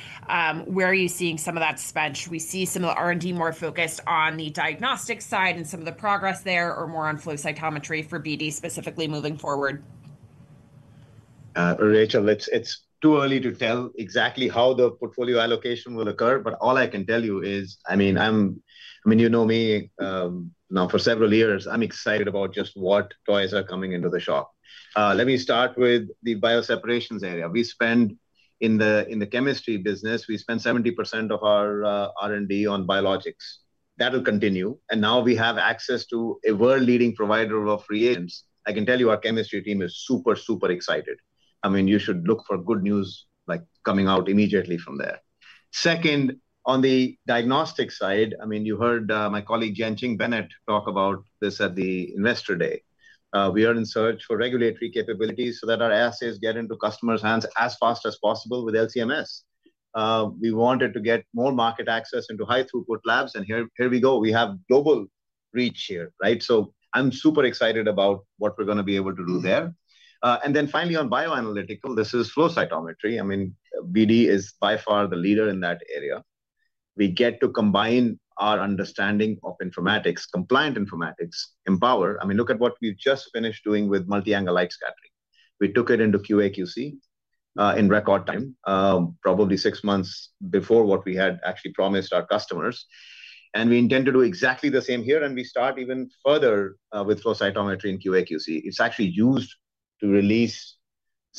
Where are you seeing some of that spend? Should we see some of the R&D more focused on the diagnostic side and some of the progress there or more on flow cytometry for BD specifically moving forward? Rachel, it's too early to tell exactly how the portfolio allocation will occur, but all I can tell you is, I mean, you know me. Now for several years, I'm excited about just what toys are coming into the shop. Let me start with the bioseparations area. We spend in the chemistry business, we spend 70% of our R&D on biologics. That'll continue. And now we have access to a world-leading provider of reagents. I can tell you our chemistry team is super, super excited. I mean, you should look for good news coming out immediately from there. Second, on the diagnostic side, I mean, you heard my colleague Jianqing Bennett talk about this at the investor day. We are in search for regulatory capabilities so that our assays get into customers' hands as fast as possible with LCMS. We wanted to get more market access into high-throughput labs, and here we go. We have global reach here, right? So I'm super excited about what we're going to be able to do there. And then finally, on bioanalytical, this is flow cytometry. I mean, BD is by far the leader in that area. We get to combine our understanding of informatics, compliant informatics, Empower. I mean, look at what we've just finished doing with multi-angle light scattering. We took it into QA/QC in record time, probably six months before what we had actually promised our customers. And we intend to do exactly the same here, and we start even further with flow cytometry in QA/QC. It's actually used to release.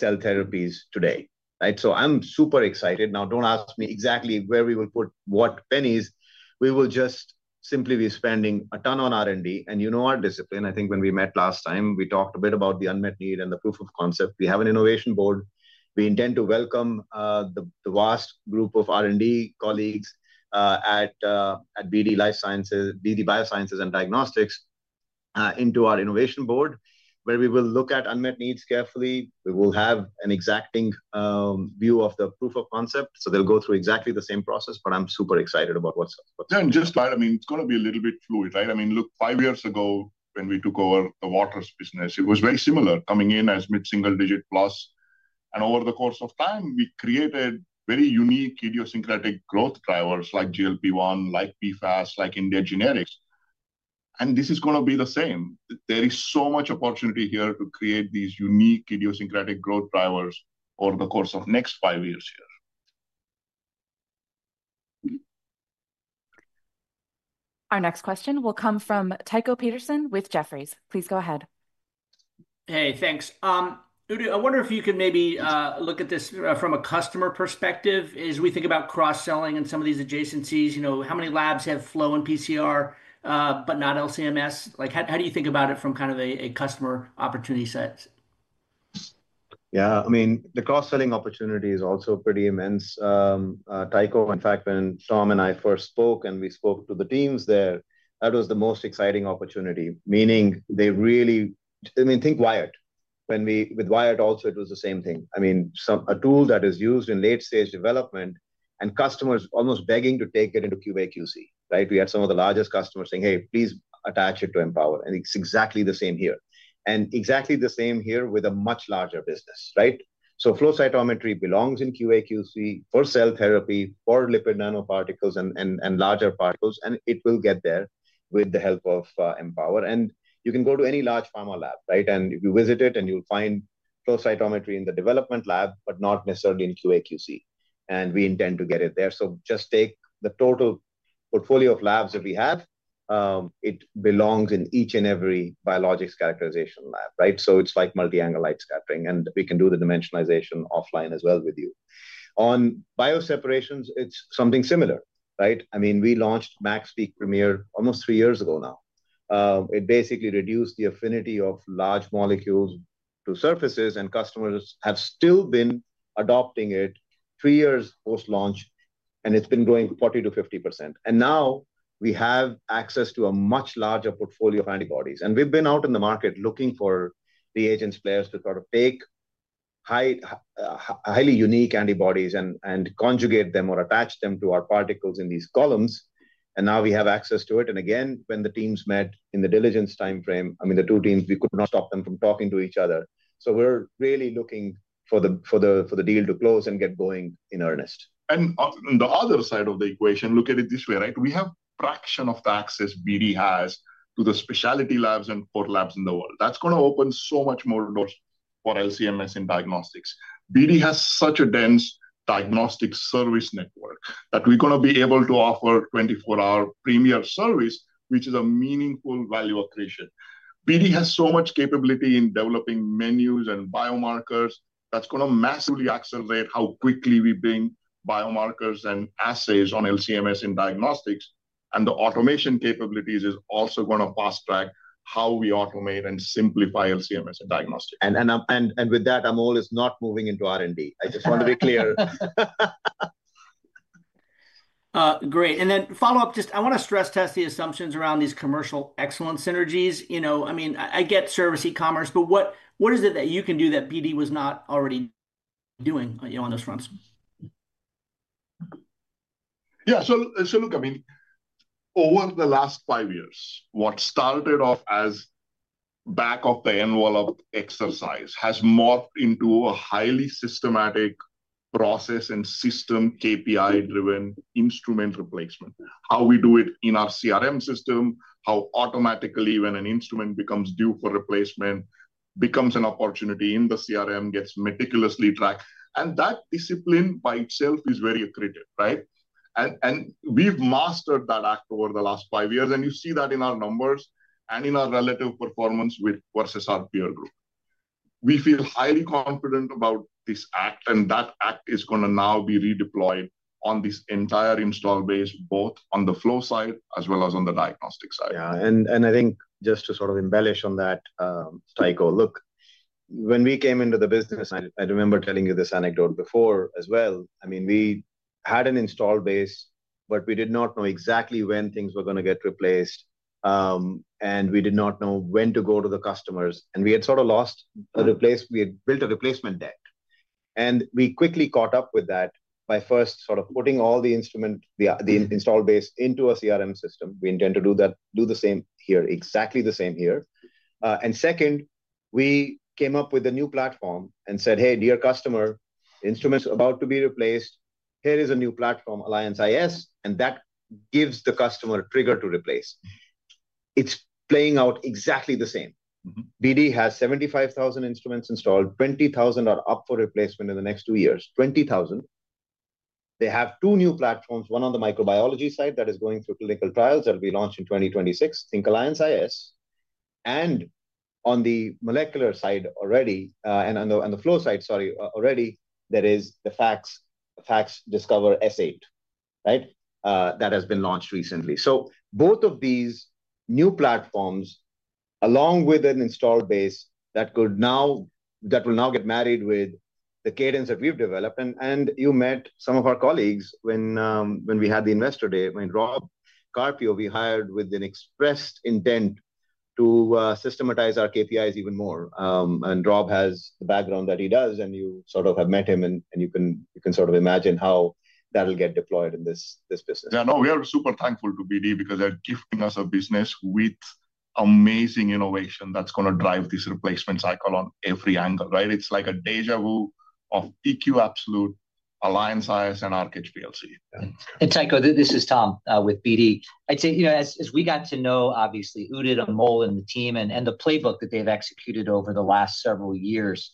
Cell therapies today, right? So I'm super excited. Now, do not ask me exactly where we will put what pennies. We will just simply be spending a ton on R&D. And you know our discipline. I think when we met last time, we talked a bit about the unmet need and the proof of concept. We have an innovation board. We intend to welcome the vast group of R&D colleagues at BD Biosciences and Diagnostics into our innovation board, where we will look at unmet needs carefully. We will have an exacting view of the proof of concept. So they will go through exactly the same process, but I am super excited about what is coming. Yeah, and just that, I mean, it is going to be a little bit fluid, right? I mean, look, five years ago when we took over the Waters business, it was very similar coming in as mid-single digit plus. Over the course of time, we created very unique idiosyncratic growth drivers like GLP-1, like PFAS, like India generics. This is going to be the same. There is so much opportunity here to create these unique idiosyncratic growth drivers over the course of the next five years here. Our next question will come from Tycho Peterson with Jefferies. Please go ahead. Hey, thanks. Udit, I wonder if you can maybe look at this from a customer perspective. As we think about cross-selling and some of these adjacencies, how many labs have flow and PCR but not LCMS? How do you think about it from kind of a customer opportunity set? Yeah, I mean, the cross-selling opportunity is also pretty immense. Tycho, in fact, when Tom and I first spoke and we spoke to the teams there, that was the most exciting opportunity, meaning they really, I mean, think Wyatt. With Wyatt also, it was the same thing. I mean, a tool that is used in late-stage development and customers almost begging to take it into QA/QC, right? We had some of the largest customers saying, "Hey, please attach it to Empower." It is exactly the same here. Exactly the same here with a much larger business, right? Flow cytometry belongs in QA/QC for cell therapy, for lipid nanoparticles and larger particles, and it will get there with the help of Empower. You can go to any large pharma lab, right? If you visit it, you will find flow cytometry in the development lab, but not necessarily in QA/QC. We intend to get it there. Just take the total portfolio of labs that we have. It belongs in each and every biologics characterization lab, right? It's like multi-angle light scattering, and we can do the dimensionalization offline as well with you. On bioseparations, it's something similar, right? I mean, we launched MaxPeak Premier almost three years ago now. It basically reduced the affinity of large molecules to surfaces, and customers have still been adopting it three years post-launch, and it's been growing 40%-50%. Now we have access to a much larger portfolio of antibodies. We've been out in the market looking for reagents players to sort of take highly unique antibodies and conjugate them or attach them to our particles in these columns. Now we have access to it. Again, when the teams met in the diligence timeframe, I mean, the two teams, we could not stop them from talking to each other. We're really looking for the deal to close and get going in earnest. On the other side of the equation, look at it this way, right? We have a fraction of the access BD has to the specialty labs and port labs in the world. That is going to open so much more doors for LCMS in diagnostics. BD has such a dense diagnostic service network that we are going to be able to offer 24-hour premier service, which is a meaningful value accretion. BD has so much capability in developing menus and biomarkers. That is going to massively accelerate how quickly we bring biomarkers and assays on LCMS in diagnostics. The automation capabilities are also going to fast-track how we automate and simplify LCMS in diagnostics. With that, Amol is not moving into R&D. I just want to be clear. Great. Follow-up, just I want to stress test the assumptions around these commercial excellence synergies. I mean, I get service e-commerce, but what is it that you can do that BD was not already doing on those fronts? Yeah. Look, I mean, over the last five years, what started off as back of the envelope exercise has morphed into a highly systematic process and system KPI-driven instrument replacement. How we do it in our CRM system, how automatically when an instrument becomes due for replacement, becomes an opportunity in the CRM, gets meticulously tracked. That discipline by itself is very accredited, right? We have mastered that act over the last five years. You see that in our numbers and in our relative performance versus our peer group. We feel highly confident about this act, and that act is going to now be redeployed on this entire install base, both on the flow side as well as on the diagnostic side. Yeah. I think just to sort of embellish on that, Tycho, look, when we came into the business, I remember telling you this anecdote before as well. I mean, we had an install base, but we did not know exactly when things were going to get replaced. We did not know when to go to the customers. We had sort of lost a replacement. We had built a replacement debt. We quickly caught up with that by first sort of putting all the install base into a CRM system. We intend to do the same here, exactly the same here. Second, we came up with a new platform and said, "Hey, dear customer, instruments about to be replaced. Here is a new platform, Alliance iS," and that gives the customer a trigger to replace. It's playing out exactly the same. BD has 75,000 instruments installed. 20,000 are up for replacement in the next two years. 20,000. They have two new platforms, one on the microbiology side that is going through clinical trials that will be launched in 2026, think Alliance iS. And on the molecular side already, and on the flow side, sorry, already, there is the FACSDiscover S8, right? That has been launched recently. Both of these new platforms, along with an install base that will now get married with the cadence that we've developed. You met some of our colleagues when we had the investor day. I mean, Rob Carpio, we hired with an expressed intent to systematize our KPIs even more. Rob has the background that he does, and you sort of have met him, and you can sort of imagine how that'll get deployed in this business. Yeah. No, we are super thankful to BD because they're gifting us a business with amazing innovation that's going to drive this replacement cycle on every angle, right? It's like a déjà vu of TQ Absolute, Alliance iS, and Arc HPLC. Hey, Tycho, this is Tom with BD. I'd say, as we got to know, obviously, Udit, Amol, and the team and the playbook that they've executed over the last several years,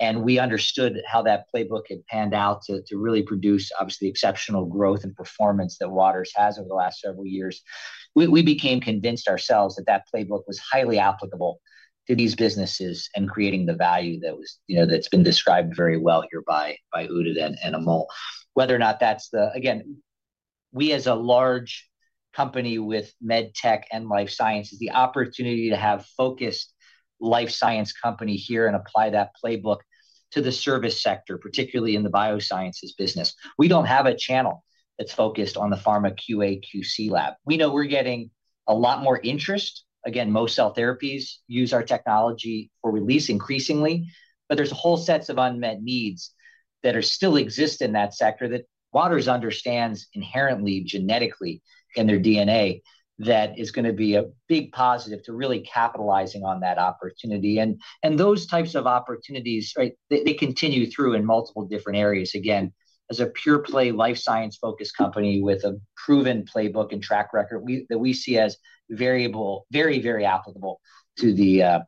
and we understood how that playbook had panned out to really produce, obviously, exceptional growth and performance that Waters has over the last several years, we became convinced ourselves that that playbook was highly applicable to these businesses and creating the value that's been described very well here by Udit and Amol. Whether or not that's the, again, we as a large company with med tech and life sciences, the opportunity to have a focused life science company here and apply that playbook to the service sector, particularly in the Biosciences business. We do not have a channel that's focused on the pharma QA/QC lab. We know we're getting a lot more interest. Again, most cell therapies use our technology for release increasingly, but there's a whole set of unmet needs that still exist in that sector that Waters understands inherently, genetically in their DNA that is going to be a big positive to really capitalizing on that opportunity. Those types of opportunities, right, they continue through in multiple different areas. Again, as a pure-play life science-focused company with a proven playbook and track record that we see as very, very applicable to the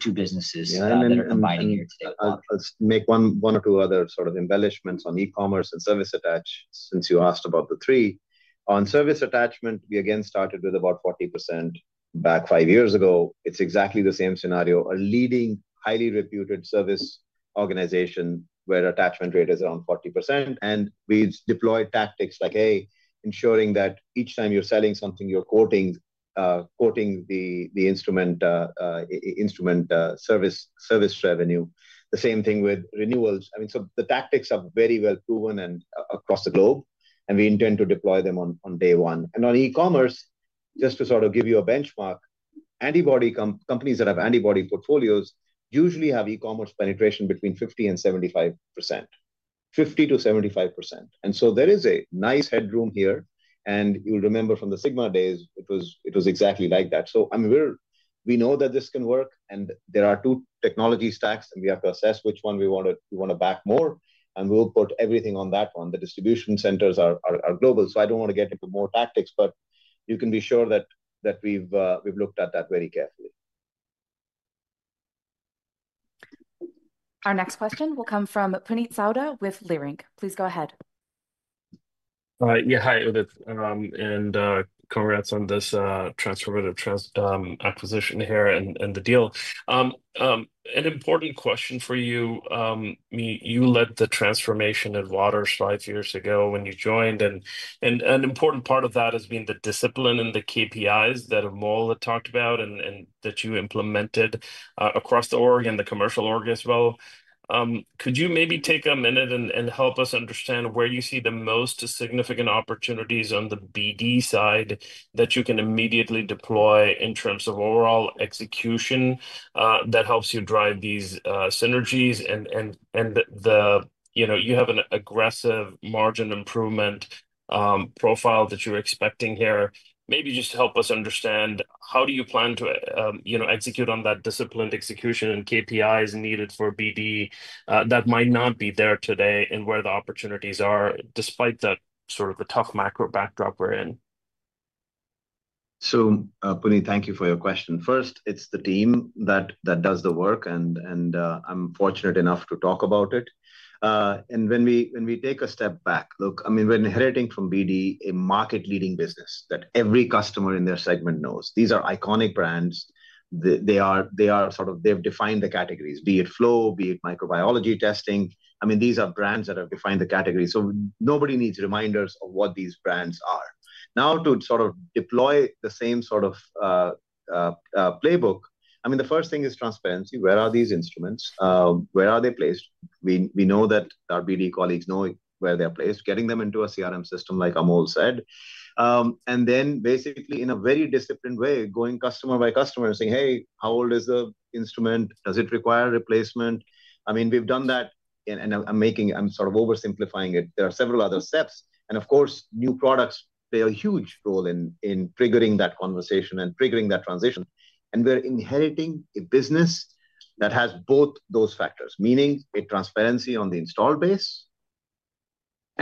two businesses that we're combining here today. Let's make one or two other sort of embellishments on e-commerce and service attached since you asked about the three. On service attachment, we again started with about 40% back five years ago. It's exactly the same scenario. A leading, highly reputed service organization where attachment rate is around 40%. We've deployed tactics like, hey, ensuring that each time you're selling something, you're quoting the instrument service revenue. The same thing with renewals. I mean, the tactics are very well proven across the globe, and we intend to deploy them on day one. On e-commerce, just to sort of give you a benchmark, antibody companies that have antibody portfolios usually have e-commerce penetration between 50%-75%. 50-75%. There is a nice headroom here. You'll remember from the Sigma days, it was exactly like that. I mean, we know that this can work, and there are two technology stacks, and we have to assess which one we want to back more. We'll put everything on that one. The distribution centers are global. I don't want to get into more tactics, but you can be sure that we've looked at that very carefully. Our next question will come from Puneet Saudagar with Leerink. Please go ahead. Yeah. Hi, Udit. And congrats on this transformative acquisition here and the deal. An important question for you. You led the transformation at Waters five years ago when you joined. An important part of that has been the discipline and the KPIs that Amol talked about and that you implemented across the org and the commercial org as well. Could you maybe take a minute and help us understand where you see the most significant opportunities on the BD side that you can immediately deploy in terms of overall execution that helps you drive these synergies. You have an aggressive margin improvement profile that you're expecting here. Maybe just help us understand how do you plan to execute on that disciplined execution and KPIs needed for BD that might not be there today and where the opportunities are despite sort of the tough macro backdrop we're in. Puneet, thank you for your question. First, it's the team that does the work, and I'm fortunate enough to talk about it. When we take a step back, look, I mean, we're inheriting from BD a market-leading business that every customer in their segment knows. These are iconic brands. They are sort of, they've defined the categories, be it flow, be it microbiology testing. I mean, these are brands that have defined the categories. Nobody needs reminders of what these brands are. Now, to sort of deploy the same sort of playbook, I mean, the first thing is transparency. Where are these instruments? Where are they placed? We know that our BD colleagues know where they're placed, getting them into a CRM system, like Amol said. Then basically, in a very disciplined way, going customer by customer and saying, "Hey, how old is the instrument? Does it require replacement?" I mean, we've done that, and I'm sort of oversimplifying it. There are several other steps. Of course, new products play a huge role in triggering that conversation and triggering that transition. We're inheriting a business that has both those factors, meaning a transparency on the install base.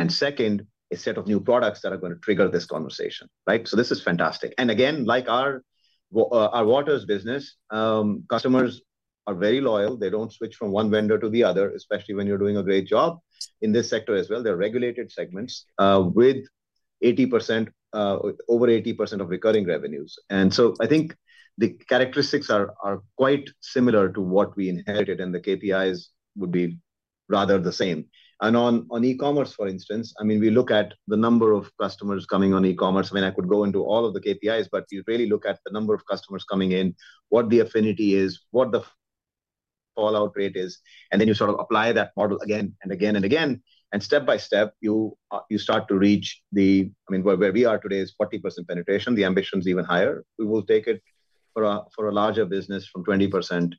Second, a set of new products that are going to trigger this conversation, right? This is fantastic. Again, like our Waters business, customers are very loyal. They do not switch from one vendor to the other, especially when you are doing a great job. In this sector as well, there are regulated segments with over 80% of recurring revenues. I think the characteristics are quite similar to what we inherited, and the KPIs would be rather the same. On e-commerce, for instance, we look at the number of customers coming on e-commerce. I could go into all of the KPIs, but you really look at the number of customers coming in, what the affinity is, what the fallout rate is, and then you sort of apply that model again and again and again. Step by step, you start to reach the, I mean, where we are today is 40% penetration. The ambition is even higher. We will take it for a larger business from 20% to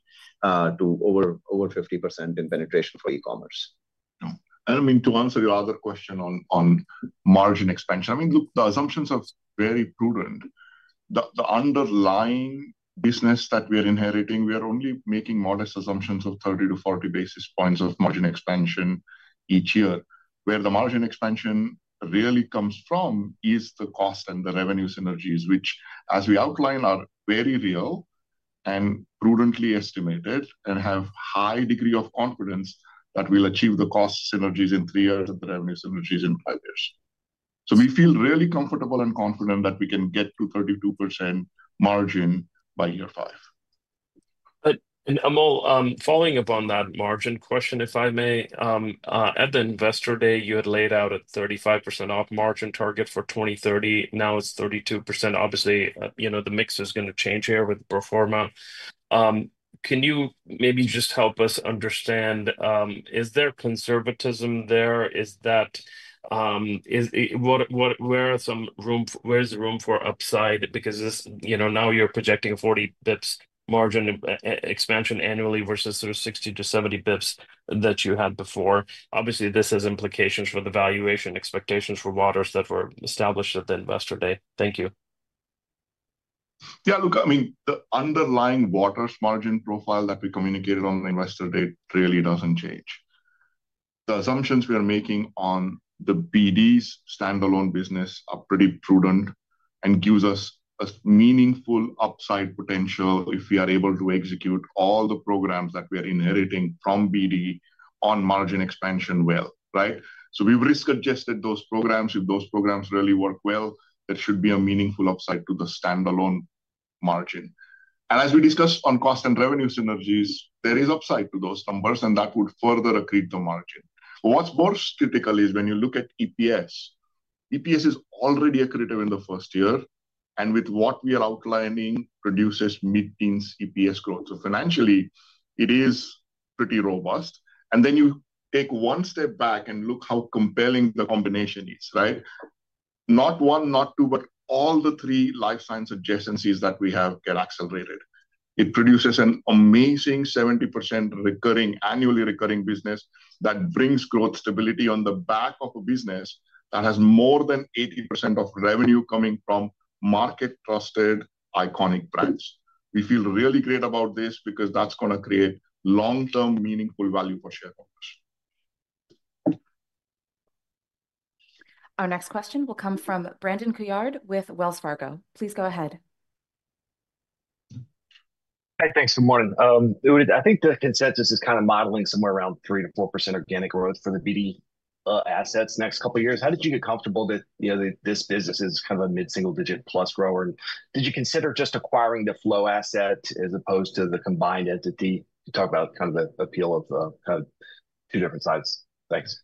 over 50% in penetration for e-commerce. I mean, to answer your other question on margin expansion, I mean, look, the assumptions are very prudent. The underlying business that we are inheriting, we are only making modest assumptions of 30-40 basis points of margin expansion each year. Where the margin expansion really comes from is the cost and the revenue synergies, which, as we outline, are very real and prudently estimated and have a high degree of confidence that we will achieve the cost synergies in three years and the revenue synergies in five years. We feel really comfortable and confident that we can get to 32% margin by year five. Amol, following up on that margin question, if I may. At the investor day, you had laid out a 35% margin target for 2030. Now it is 32%. Obviously, the mix is going to change here with the pro forma. Can you maybe just help us understand. Is there conservatism there? Where is some room for upside? Because now you are projecting a 40 basis points margin expansion annually versus sort of 60 to 70 basis points that you had before. Obviously, this has implications for the valuation expectations for Waters that were established at the investor day. Thank you. Yeah. Look, I mean, the underlying Waters margin profile that we communicated on the investor day really does not change. The assumptions we are making on the BD's standalone business are pretty prudent and give us a meaningful upside potential if we are able to execute all the programs that we are inheriting from BD on margin expansion well, right? We have risk-adjusted those programs. If those programs really work well, there should be a meaningful upside to the standalone margin. As we discussed on cost and revenue synergies, there is upside to those numbers, and that would further accrete the margin. What is more critical is when you look at EPS. EPS is already accretive in the first year, and with what we are outlining, it produces mid-teens EPS growth. Financially, it is pretty robust. You take one step back and look how compelling the combination is, right? Not one, not two, but all the three life science adjacencies that we have get accelerated. It produces an amazing 70% recurring, annually recurring business that brings growth stability on the back of a business that has more than 80% of revenue coming from market-trusted iconic brands. We feel really great about this because that's going to create long-term meaningful value for shareholders. Our next question will come from Brandon Couillard with Wells Fargo. Please go ahead. Hi. Thanks. Good morning. I think the consensus is kind of modeling somewhere around 3%-4% organic growth for the BD assets next couple of years. How did you get comfortable that this business is kind of a mid-single-digit plus grower? And did you consider just acquiring the flow asset as opposed to the combined entity? You talk about kind of the appeal of. Two different sides. Thanks.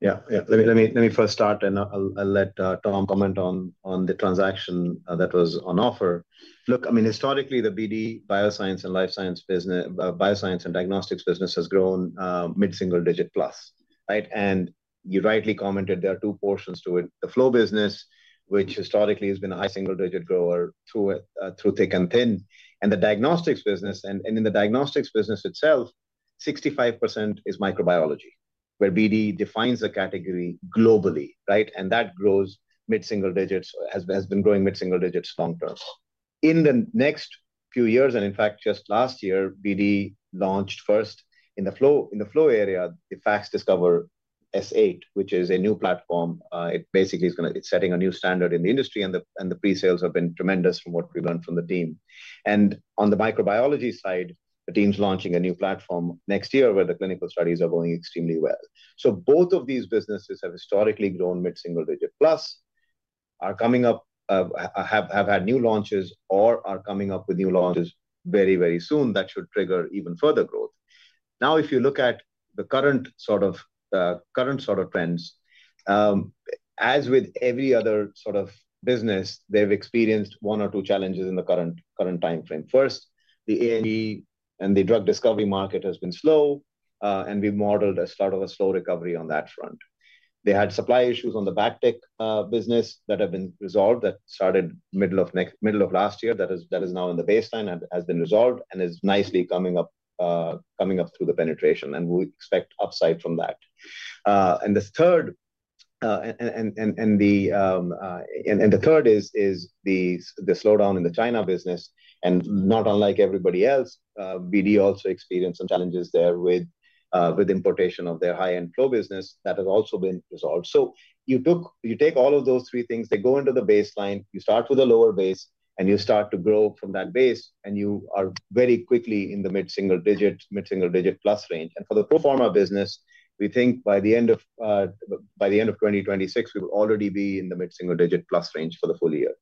Yeah. Yeah. Let me first start, and I'll let Tom comment on the transaction that was on offer. Look, I mean, historically, the BD Bioscience and Life Science and Diagnostics business has grown mid-single-digit plus, right? You rightly commented there are two portions to it. The flow business, which historically has been a high single-digit grower through thick and thin. The diagnostics business, and in the diagnostics business itself, 65% is microbiology, where BD defines a category globally, right? That grows mid-single digits, has been growing mid-single digits long term. In the next few years, in fact, just last year, BD launched first in the flow area, the FACSDiscover S8, which is a new platform. It basically is going to, it's setting a new standard in the industry, and the pre-sales have been tremendous from what we learned from the team. On the microbiology side, the team's launching a new platform next year where the clinical studies are going extremely well. Both of these businesses have historically grown mid-single-digit plus, are coming up. Have had new launches, or are coming up with new launches very, very soon that should trigger even further growth. Now, if you look at the current sort of current sort of trends, as with every other sort of business, they've experienced one or two challenges in the current timeframe. First, the A&E and the drug discovery market has been slow, and we've modeled a sort of a slow recovery on that front. They had supply issues on the BACTEC business that have been resolved, that started middle of last year, that is now in the baseline and has been resolved and is nicely coming up. Through the penetration, and we expect upside from that. The third is the slowdown in the China business. Not unlike everybody else, BD also experienced some challenges there with importation of their high-end flow business that has also been resolved. You take all of those three things, they go into the baseline, you start with a lower base, and you start to grow from that base, and you are very quickly in the mid-single-digit, mid-single-digit plus range. For the pro forma business, we think by the end of 2026, we will already be in the mid-single-digit plus range for the full year.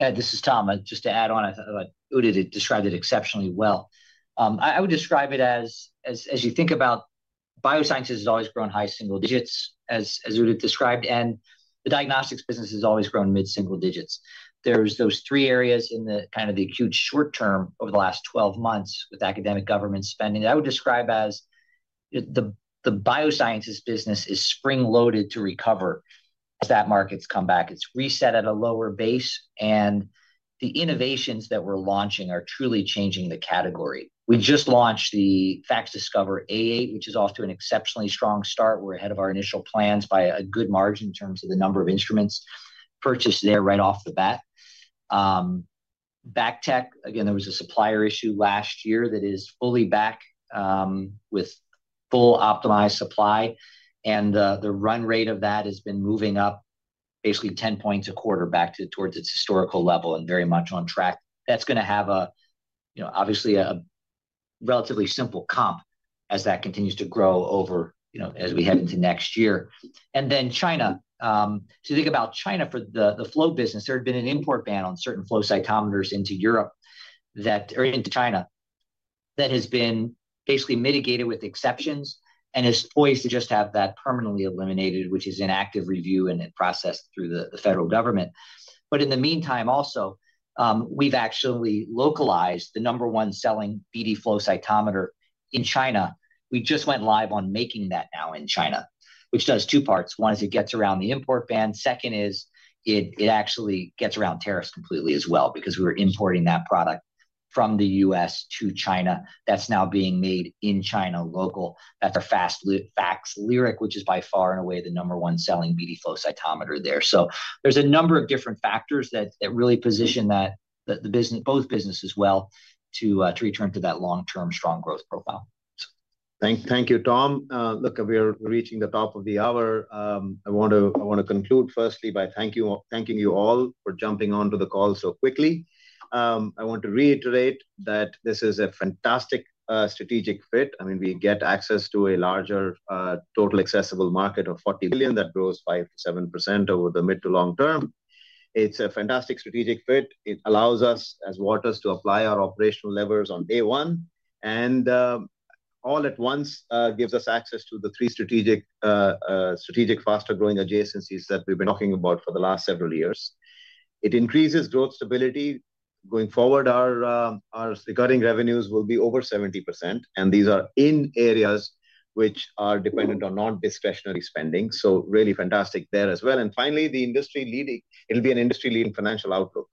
Yeah. This is Tom. Just to add on, I thought Udit described it exceptionally well. I would describe it as, you think about, Biosciences has always grown high single digits, as Udit described, and the diagnostics business has always grown mid-single digits. There are those three areas in kind of the acute short term over the last 12 months with academic government spending that I would describe as the Biosciences business is spring-loaded to recover as that market's come back. It has reset at a lower base, and the innovations that we are launching are truly changing the category. We just launched the FACSDiscover S8, which is off to an exceptionally strong start. We are ahead of our initial plans by a good margin in terms of the number of instruments purchased there right off the bat. BACTEC, again, there was a supplier issue last year that is fully back. With fully optimized supply. The run rate of that has been moving up basically 10 basis points a quarter back towards its historical level and very much on track. That is going to have. That is going to have obviously a relatively simple comp as that continues to grow as we head into next year. China. You think about China for the flow business, there had been an import ban on certain flow cytometers into Europe or into China that has been basically mitigated with exceptions and is poised to just have that permanently eliminated, which is in active review and in process through the federal government. In the meantime, also, we've actually localized the number one selling BD flow cytometer in China. We just went live on making that now in China, which does two parts. One is it gets around the import ban. Second is it actually gets around tariffs completely as well because we were importing that product from the U.S. to China. That is now being made in China local. That's our FACSDiscover S8, which is by far, in a way, the number one selling BD flow cytometer there. So there's a number of different factors that really position both businesses well to return to that long-term strong growth profile. Thank you, Tom. Look, we're reaching the top of the hour. I want to conclude firstly by thanking you all for jumping onto the call so quickly. I want to reiterate that this is a fantastic strategic fit. I mean, we get access to a larger total addressable market of $40 billion that grows 5%-7% over the mid to long term. It's a fantastic strategic fit. It allows us as Waters to apply our operational levers on day one, and. All at once gives us access to the three strategic. Faster-growing adjacencies that we've been talking about for the last several years. It increases growth stability. Going forward, our recurring revenues will be over 70%, and these are in areas which are dependent on non-discretionary spending. Really fantastic there as well. Finally, the industry-leading, it'll be an industry-leading financial outlook,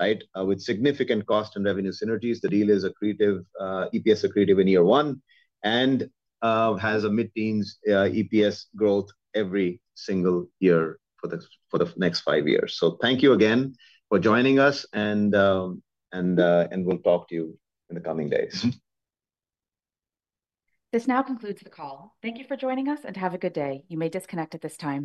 right? With significant cost and revenue synergies, the deal is EPS accretive in year one and has a mid-teens EPS growth every single year for the next five years. Thank you again for joining us. We'll talk to you in the coming days. This now concludes the call. Thank you for joining us and have a good day. You may disconnect at this time.